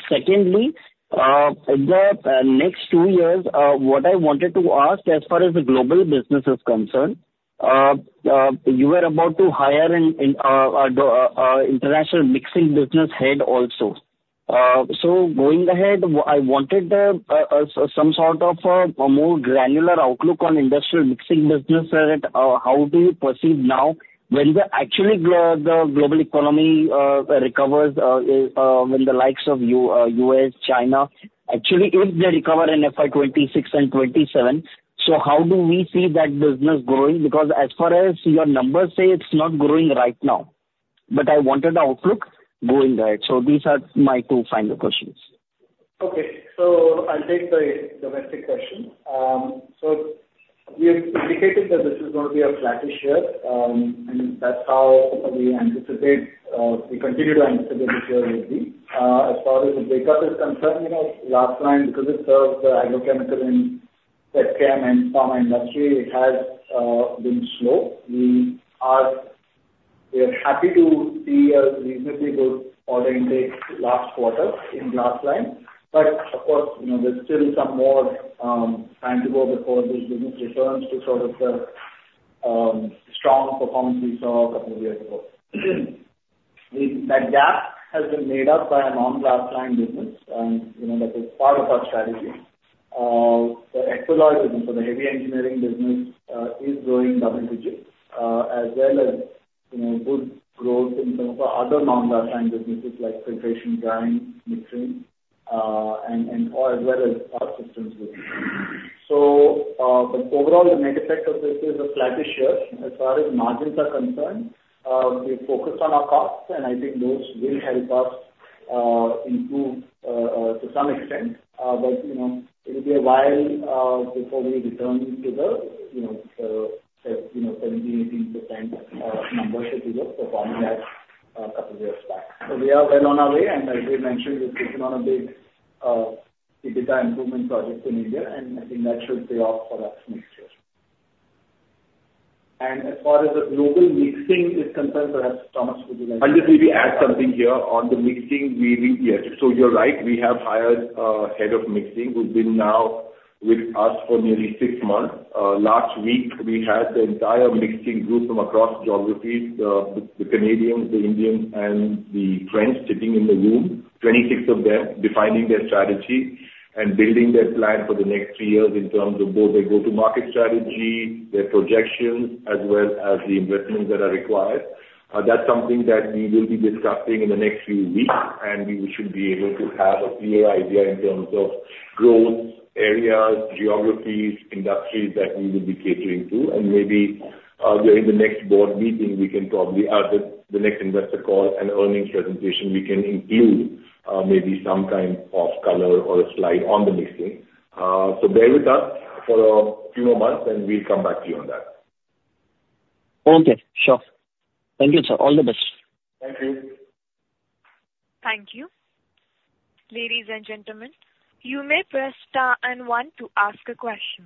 Secondly, in the next two years, what I wanted to ask as far as the global business is concerned, you were about to hire an international mixing business head also. So going ahead, I wanted some sort of a more granular outlook on industrial mixing business. How do you perceive now when actually the global economy recovers when the likes of U.S., China actually if they recover in FY 2026 and 2027? So how do we see that business growing? Because as far as your numbers say, it's not growing right now. But I wanted the outlook going ahead. So these are my two final questions. Okay. So I'll take the domestic question, so we have indicated that this is going to be a flattish year, and that's how we anticipate we continue to anticipate this year will be. As far as the breakup is concerned, glass-lined, because it serves the agrochemical and petchem and pharma industry, it has been slow. We are happy to see a reasonably good order intake last quarter in glass-lined. But of course, there's still some more time to go before this business returns to sort of the strong performance we saw a couple of years ago. That gap has been made up by a non-glass-lined business, and that is part of our strategy. The enquiry volume for the heavy engineering business is growing double digits as well as good growth in some of our other non-glass-lined businesses like filtration, drying, mixing, and as well as our systems. So overall, the negative effect of this is a flattish year. As far as margins are concerned, we've focused on our costs, and I think those will help us improve to some extent. But it will be a while before we return to the 17%-18% numbers that we were performing at a couple of years back. So we are well on our way, and as we mentioned, we're pushing on a big EBITDA improvement project in India, and I think that should pay off for us next year. And as far as the global mixing is concerned, perhaps Thomas would like to. I'll just maybe add something here on the mixing. So you're right. We have hired a head of mixing who's been now with us for nearly six months. Last week, we had the entire mixing group from across geographies, the Canadians, the Indians, and the French sitting in the room, 26 of them, defining their strategy and building their plan for the next three years in terms of both their go-to-market strategy, their projections, as well as the investments that are required. That's something that we will be discussing in the next few weeks, and we should be able to have a clear idea in terms of growth areas, geographies, industries that we will be catering to, and maybe during the next board meeting, we can probably at the next investor call and earnings presentation, we can include maybe some kind of color or a slide on the mixing. So bear with us for a few more months, and we'll come back to you on that. Okay. Sure. Thank you, sir. All the best. Thank you. Thank you. Ladies and gentlemen, you may press star and one to ask a question.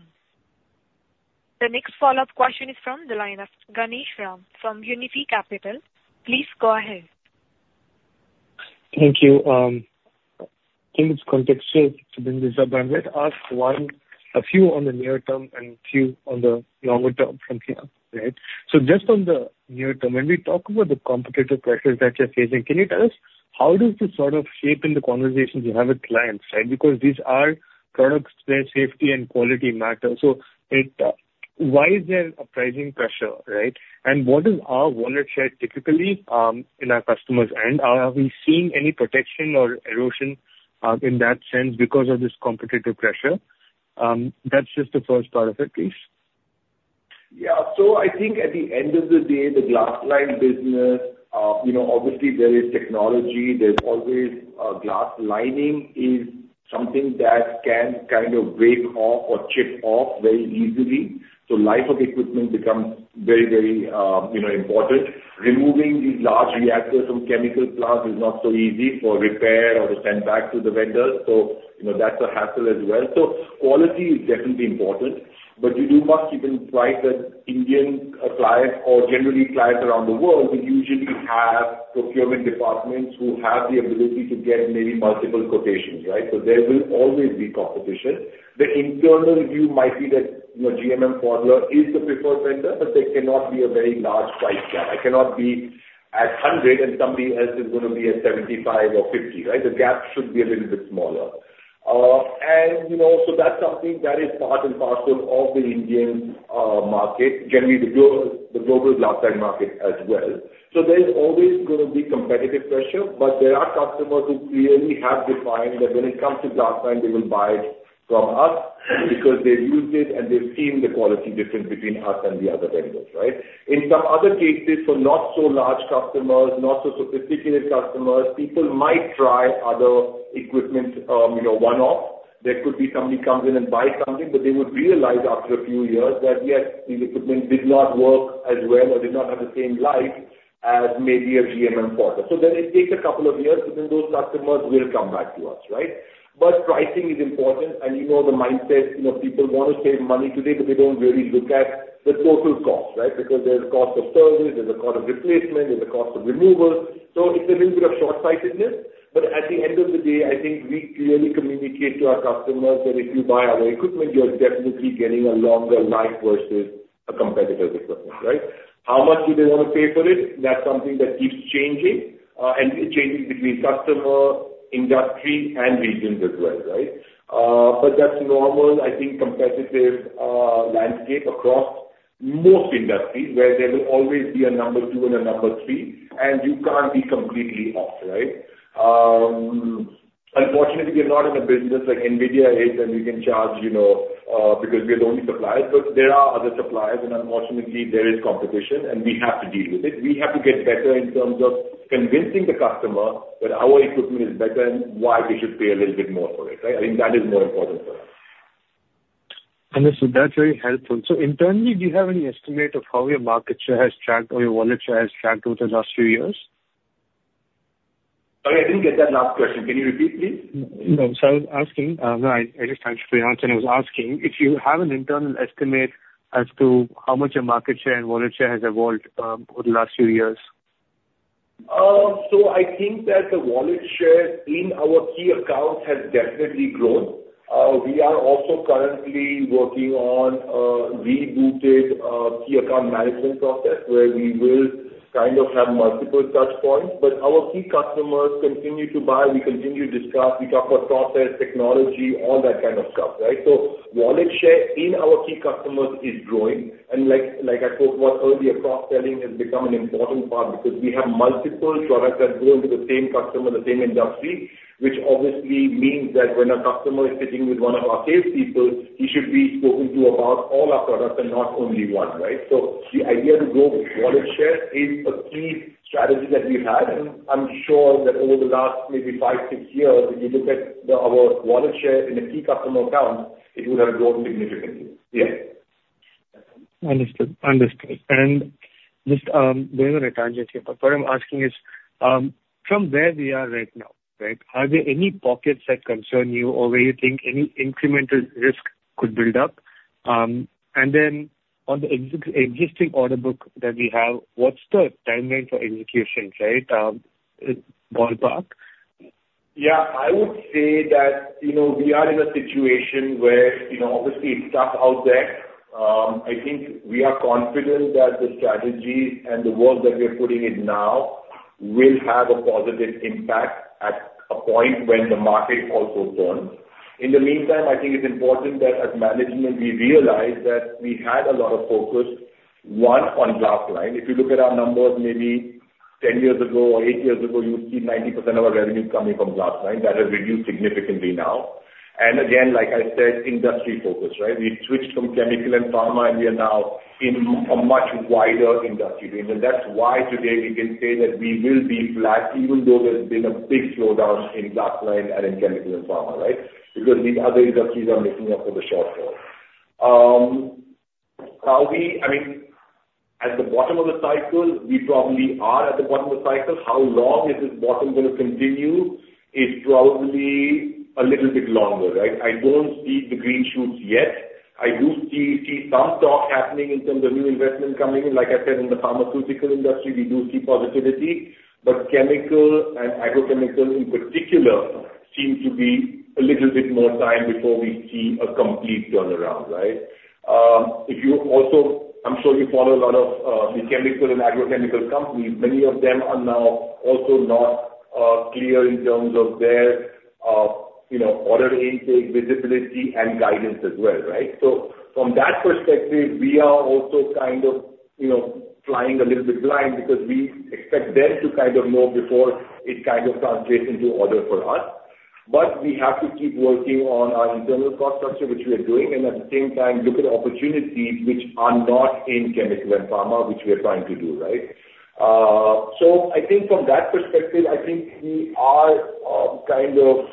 The next follow-up question is from the line of Ganeshram from Unifi Capital. Please go ahead. Thank you. I think it's contextual to bring this up, and let's ask a few on the near term and a few on the longer term from here, right? So just on the near term, when we talk about the competitor pressures that you're facing, can you tell us how does this sort of shape in the conversations you have with clients, right? Because these are products where safety and quality matter. So why is there a pricing pressure, right? And what is our wallet share typically in our customers? And have we seen any protection or erosion in that sense because of this competitor pressure? That's just the first part of it, please. Yeah. So I think at the end of the day, the glass-lined business, obviously, there is technology. There's always glass lining is something that can kind of break off or chip off very easily. So life of equipment becomes very, very important. Removing these large reactors from chemical plants is not so easy for repair or to send back to the vendors. So that's a hassle as well. So quality is definitely important. But you do must keep in mind that Indian clients or generally clients around the world will usually have procurement departments who have the ability to get maybe multiple quotations, right? So there will always be competition. The internal view might be that GMM Pfaudler is the preferred vendor, but there cannot be a very large price gap. I cannot be at 100, and somebody else is going to be at 75 or 50, right? The gap should be a little bit smaller, and so that's something that is part and parcel of the Indian market, generally the global glass-lined market as well, so there's always going to be competitive pressure, but there are customers who clearly have defined that when it comes to glass-lined, they will buy it from us because they've used it and they've seen the quality difference between us and the other vendors, right? In some other cases, for not-so-large customers, not-so-sophisticated customers, people might try other equipment one-off. There could be somebody comes in and buys something, but they would realize after a few years that, yes, the equipment did not work as well or did not have the same life as maybe a GMM Pfaudler, so then it takes a couple of years, but then those customers will come back to us, right? But pricing is important, and you know the mindset, people want to save money today, but they don't really look at the total cost, right? Because there's a cost of service, there's a cost of replacement, there's a cost of removal. So it's a little bit of short-sightedness. But at the end of the day, I think we clearly communicate to our customers that if you buy our equipment, you're definitely getting a longer life versus a competitor's equipment, right? How much do they want to pay for it? That's something that keeps changing and changing between customer, industry, and regions as well, right? But that's normal, I think, competitive landscape across most industries where there will always be a number two and a number three, and you can't be completely off, right? Unfortunately, we're not in a business like NVIDIA is, and we can charge because we're the only suppliers, but there are other suppliers, and unfortunately, there is competition, and we have to deal with it. We have to get better in terms of convincing the customer that our equipment is better and why they should pay a little bit more for it, right? I think that is more important for us. Understood. That's very helpful. So internally, do you have any estimate of how your market share has tracked or your wallet share has tracked over the last few years? Sorry, I didn't get that last question. Can you repeat, please? No. So I was asking. I just timed you for your answer. I was asking if you have an internal estimate as to how much your market share and wallet share has evolved over the last few years. So I think that the wallet share in our key accounts has definitely grown. We are also currently working on a rebooted key account management process where we will kind of have multiple touch points. But our key customers continue to buy. We continue to discuss. We talk about process, technology, all that kind of stuff, right? So wallet share in our key customers is growing. And like I spoke about earlier, cross-selling has become an important part because we have multiple products that go into the same customer, the same industry, which obviously means that when a customer is sitting with one of our salespeople, he should be spoken to about all our products and not only one, right? So the idea to grow wallet share is a key strategy that we've had. And I'm sure that over the last maybe five, six years, if you look at our wallet share in the key customer accounts, it would have grown significantly. Yeah. Understood. Understood. And just going on a tangent here, but what I'm asking is, from where we are right now, right, are there any pockets that concern you or where you think any incremental risk could build up? And then on the existing order book that we have, what's the timeline for execution, right, ballpark? Yeah. I would say that we are in a situation where obviously it's tough out there. I think we are confident that the strategy and the work that we're putting in now will have a positive impact at a point when the market also turns. In the meantime, I think it's important that as management, we realize that we had a lot of focus, one, on glass-lined. If you look at our numbers, maybe 10 years ago or eight years ago, you would see 90% of our revenue coming from glass-lined. That has reduced significantly now. And again, like I said, industry focus, right? We switched from chemical and pharma, and we are now in a much wider industry. And that's why today we can say that we will be flat, even though there's been a big slowdown in glass-lined and in chemical and pharma, right? Because these other industries are making up for the shortfall. I mean, at the bottom of the cycle, we probably are at the bottom of the cycle. How long is this bottom going to continue is probably a little bit longer, right? I don't see the green shoots yet. I do see some talk happening in terms of new investment coming in. Like I said, in the pharmaceutical industry, we do see positivity, but chemical and petrochemical in particular seem to be a little bit more time before we see a complete turnaround, right? If you also, I'm sure you follow a lot of the chemical and petrochemical companies. Many of them are now also not clear in terms of their order intake, visibility, and guidance as well, right? From that perspective, we are also kind of flying a little bit blind because we expect them to kind of know before it kind of translates into order for us. But we have to keep working on our internal cost structure, which we are doing, and at the same time, look at opportunities which are not in chemical and pharma, which we are trying to do, right? I think from that perspective, I think we are kind of,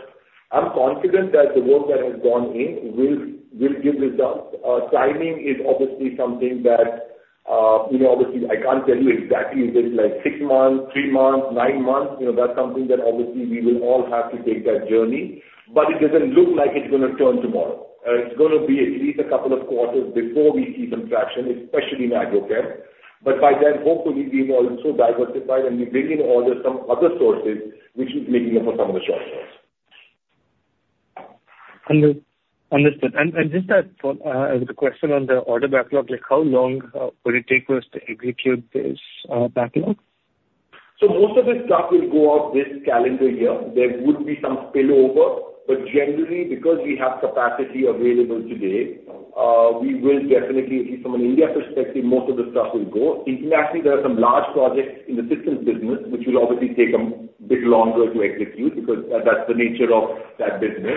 I'm confident that the work that has gone in will give results. Timing is obviously something that obviously, I can't tell you exactly if it's like six months, three months, nine months. That's something that obviously we will all have to take that journey. But it doesn't look like it's going to turn tomorrow. It's going to be at least a couple of quarters before we see some traction, especially in agrochem, but by then, hopefully, we've also diversified and we bring in orders from some other sources, which is making up for some of the shortfalls. Understood. Just to add a question on the order backlog, how long will it take for us to execute this backlog? So most of this stuff will go out this calendar year. There would be some spillover, but generally, because we have capacity available today, we will definitely, at least from an India perspective, most of the stuff will go. Internationally, there are some large projects in the systems business, which will obviously take a bit longer to execute because that's the nature of that business.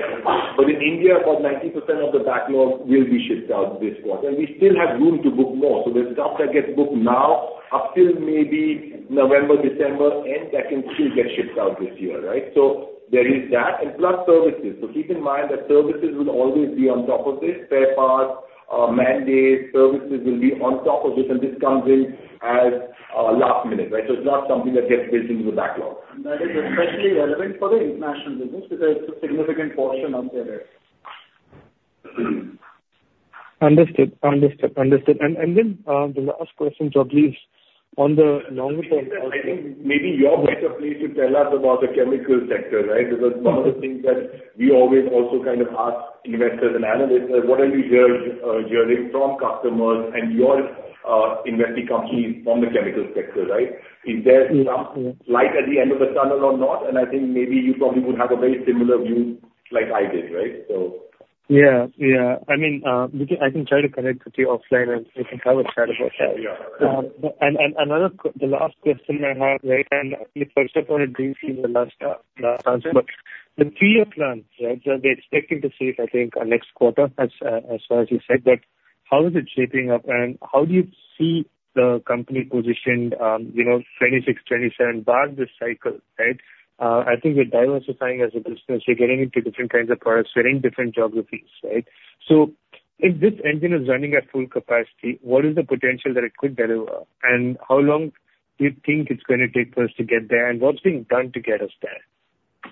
But in India, about 90% of the backlog will be shipped out this quarter. And we still have room to book more. So the stuff that gets booked now up till maybe November, December, end, that can still get shipped out this year, right? So there is that. And plus services. So keep in mind that services will always be on top of this. FATs, parts, man-day services will be on top of this. And this comes in as last minute, right? So it's not something that gets built into the backlog. That is especially relevant for the international business because it's a significant portion of their list. Understood. And then the last question, just briefly, on the longer-term outlook. I think maybe you're better placed to tell us about the chemical sector, right? Because one of the things that we always also kind of ask investors and analysts is, what are you hearing from customers and your investing companies from the chemical sector, right? Is there some light at the end of the tunnel or not? And I think maybe you probably would have a very similar view like I did, right? So. Yeah. Yeah. I mean, I can try to connect with you offline, and we can have a chat about that. And the last question I have, right? And I just want to briefly the last answer. But the three-year plans, right, they're expecting to see, I think, next quarter, as far as you said. But how is it shaping up? And how do you see the company positioned 2026, 2027, past this cycle, right? I think you're diversifying as a business. You're getting into different kinds of products. You're in different geographies, right? So if this engine is running at full capacity, what is the potential that it could deliver? And how long do you think it's going to take for us to get there? And what's being done to get us there?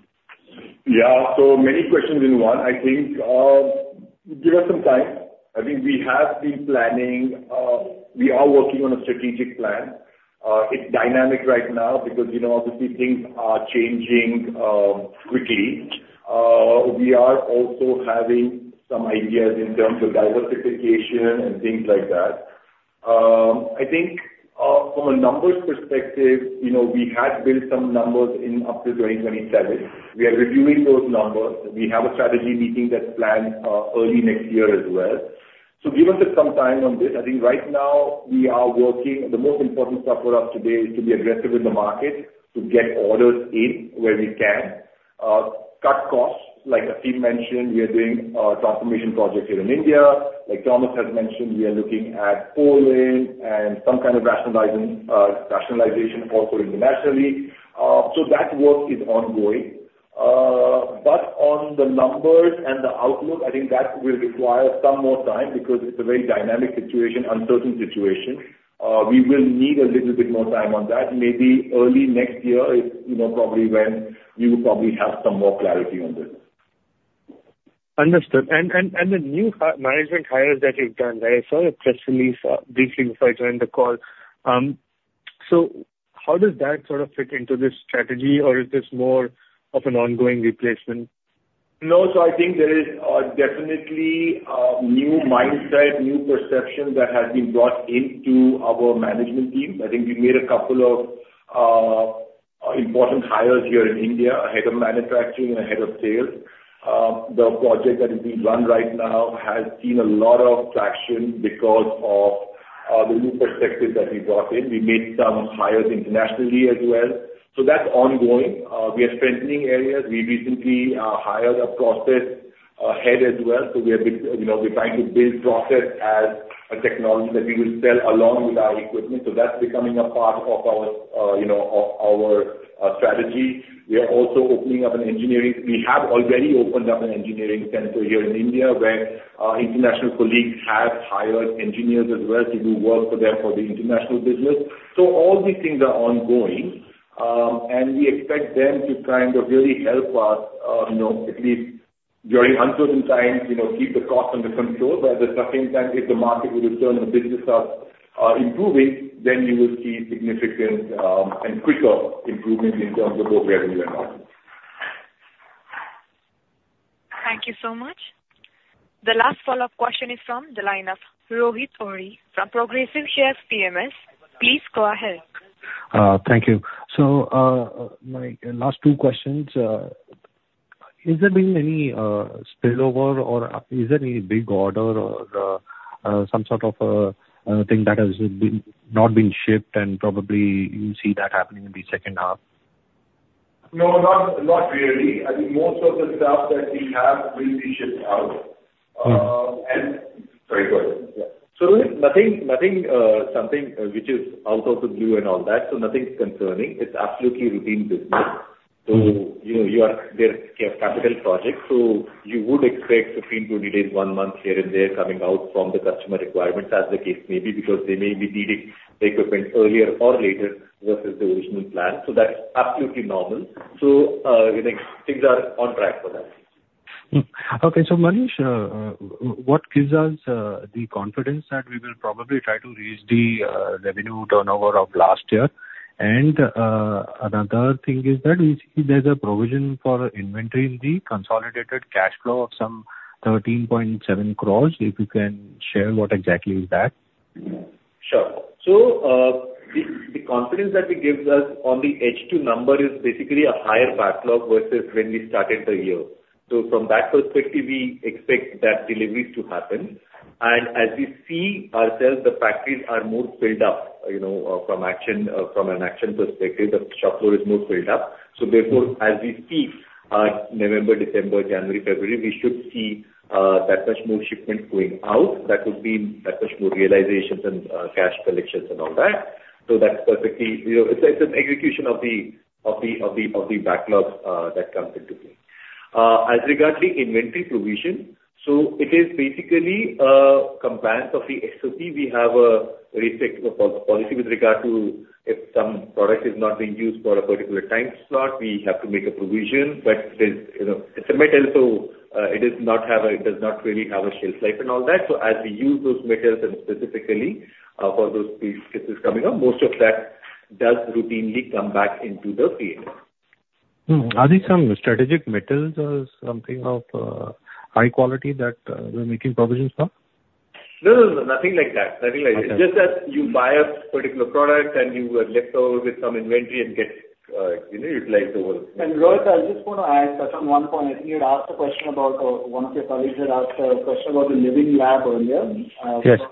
Yeah. So many questions in one. I think give us some time. I think we have been planning. We are working on a strategic plan. It's dynamic right now because obviously, things are changing quickly. We are also having some ideas in terms of diversification and things like that. I think from a numbers perspective, we had built some numbers in up to 2027. We are reviewing those numbers. We have a strategy meeting that's planned early next year as well. So give us some time on this. I think right now, we are working. The most important stuff for us today is to be aggressive in the market to get orders in where we can. Cut costs. Like Aseem mentioned, we are doing transformation projects here in India. Like Thomas has mentioned, we are looking at Poland and some kind of rationalization also internationally. So that work is ongoing but on the numbers and the outlook, I think that will require some more time because it's a very dynamic situation, uncertain situation. We will need a little bit more time on that. Maybe early next year is probably when we will probably have some more clarity on this. Understood. And the new management hires that you've done, right? I saw a press release briefly before I joined the call. So how does that sort of fit into this strategy, or is this more of an ongoing replacement? No. So I think there is definitely a new mindset, new perception that has been brought into our management team. I think we made a couple of important hires here in India ahead of manufacturing and ahead of sales. The project that is being run right now has seen a lot of traction because of the new perspective that we brought in. We made some hires internationally as well. So that's ongoing. We have strengthening areas. We recently hired a process head as well. So we're trying to build process as a technology that we will sell along with our equipment. So that's becoming a part of our strategy. We are also opening up an engineering. We have already opened up an engineering center here in India where international colleagues have hired engineers as well to do work for them for the international business. So all these things are ongoing. We expect them to kind of really help us, at least during uncertain times, keep the cost under control. At the same time, if the market will return and the business starts improving, then we will see significant and quicker improvements in terms of both revenue and markets. Thank you so much. The last follow-up question is from the line of Rohit Ohri from Progressive Shares PMS. Please go ahead. Thank you. So my last two questions. Has there been any spillover or is there any big order or some sort of thing that has not been shipped? And probably you see that happening in the second half. No, not really. I think most of the stuff that we have will be shipped out. And sorry, go ahead. So nothing which is out of the blue and all that. So nothing concerning. It's absolutely routine business. So you are there to have capital projects. So you would expect 15, 20 days, one month here and there coming out from the customer requirements, as the case may be, because they may be needing the equipment earlier or later versus the original plan. So that's absolutely normal. So things are on track for that. Okay. So Manish, what gives us the confidence that we will probably try to reach the revenue turnover of last year? And another thing is that we see there's a provision for inventory in the consolidated cash flow of some 13.7 crores. If you can share what exactly is that? Sure. So the confidence that it gives us on the H2 number is basically a higher backlog versus when we started the year. So from that perspective, we expect that deliveries to happen. And as we see ourselves, the factories are more filled up from a capacity perspective. The shop floor is more filled up. So therefore, as we see November, December, January, February, we should see that much more shipment going out. That would mean that much more realizations and cash collections and all that. So that's perfect. It's an execution of the backlog that comes into play. As regards the inventory provision, so it is basically a compliance of the SOP. We have a very strict policy with regard to if some product is not being used for a particular time slot, we have to make a provision. But it's a metal, so it does not really have a shelf life and all that. So as we use those metals and specifically for those cases coming up, most of that does routinely come back into the field. Are these some strategic metals or something of high quality that we're making provisions for? No, no, nothing like that. I think just that you buy a particular product and you were left over with some inventory and get utilized over. Rohit, I just want to add on one point. I think one of your colleagues had asked a question about the Living Lab earlier. I just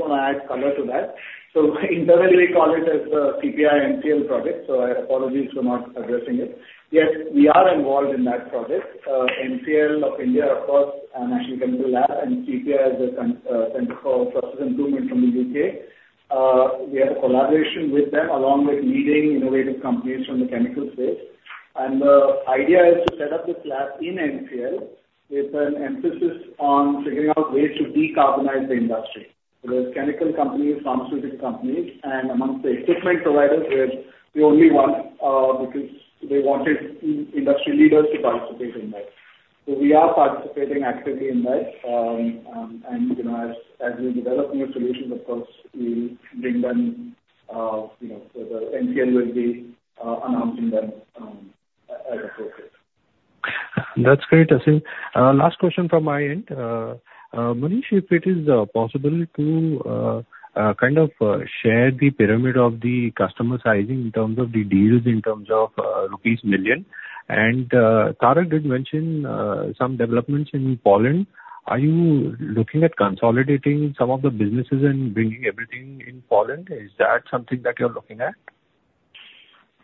want to add color to that. Internally, we call it as the CPI NCL project. Apologies for not addressing it. Yes, we are involved in that project. NCL of India, of course, National Chemical Laboratory, and CPI is the Centre for Process Innovation from the U.K. We have a collaboration with them along with leading innovative companies from the chemical space. The idea is to set up this lab in NCL with an emphasis on figuring out ways to decarbonize the industry. There are chemical companies, pharmaceutical companies, and amongst the equipment providers, we are the only one because they wanted industry leaders to participate in that. We are participating actively in that. As we develop new solutions, of course, we'll bring them further. GPL will be announcing them as appropriate. That's great, Aseem. Last question from my end. Manish, if it is possible to kind of share the pyramid of the customer sizing in terms of the deals in terms of rupees million, and Tarak did mention some developments in Poland. Are you looking at consolidating some of the businesses and bringing everything in Poland? Is that something that you're looking at?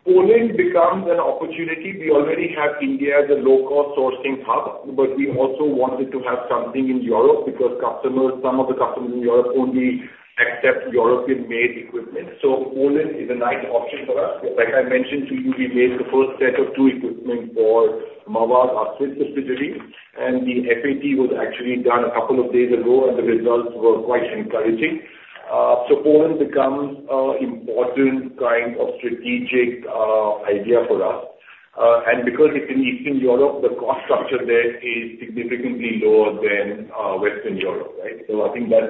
Poland becomes an opportunity. We already have India as a low-cost sourcing hub, but we also wanted to have something in Europe because some of the customers in Europe only accept European-made equipment. So Poland is a nice option for us. Like I mentioned to you, we made the first set of two equipment for Mavag's Swiss facility, and the FAT was actually done a couple of days ago, and the results were quite encouraging. So Poland becomes an important kind of strategic idea for us. And because it's in Eastern Europe, the cost structure there is significantly lower than Western Europe, right? So I think that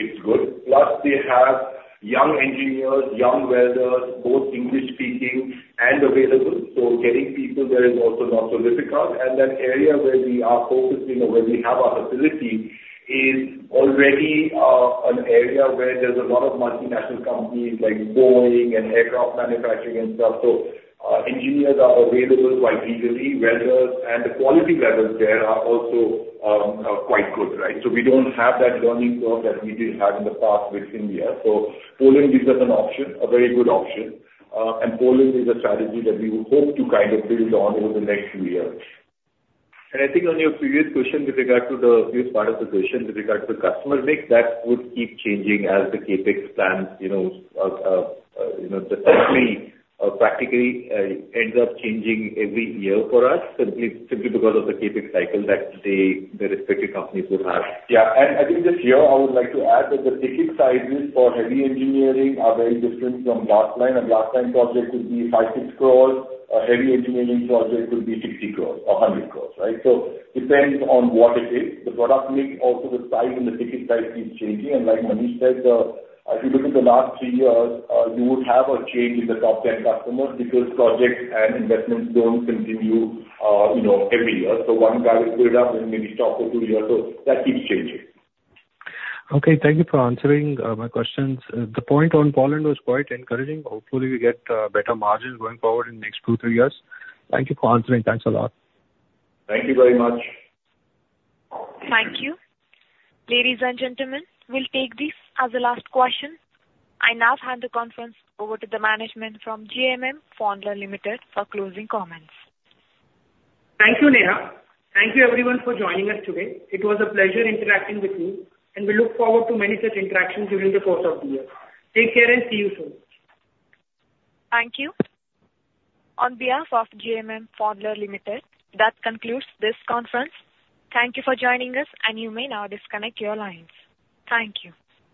it's good. Plus, we have young engineers, young welders, both English-speaking and available. So getting people there is also not so difficult. And that area where we are focused, where we have our facility, is already an area where there's a lot of multinational companies like Boeing and aircraft manufacturing and stuff. So engineers are available quite easily. Welders and the quality levels there are also quite good, right? So we don't have that learning curve that we did have in the past with India. So Poland gives us an option, a very good option. And Poland is a strategy that we hope to kind of build on over the next few years. And I think on your previous question with regard to the previous part of the question with regard to the customer mix, that would keep changing as the CapEx plans definitely practically end up changing every year for us simply because of the CapEx cycle that the respective companies would have. Yeah. I think this year, I would like to add that the ticket sizes for heavy engineering are very different from last year. A glass-lined project would be 56 crores. A heavy engineering project would be 60 crores or 100 crores, right? So it depends on what it is. The product mix, also the size and the ticket size keeps changing. And like Manish said, if you look at the last three years, you would have a change in the top 10 customers because projects and investments don't continue every year. So one guy will build up and maybe stop for two years. So that keeps changing. Okay. Thank you for answering my questions. The point on Poland was quite encouraging. Hopefully, we get better margins going forward in the next two or three years. Thank you for answering. Thanks a lot. Thank you very much. Thank you. Ladies and gentlemen, we'll take this as a last question. I now hand the conference over to the management from GMM Pfaudler Limited for closing comments. Thank you, Neha. Thank you, everyone, for joining us today. It was a pleasure interacting with you, and we look forward to many such interactions during the course of the year. Take care and see you soon. Thank you. On behalf of GMM Pfaudler Limited, that concludes this conference. Thank you for joining us, and you may now disconnect your lines. Thank you.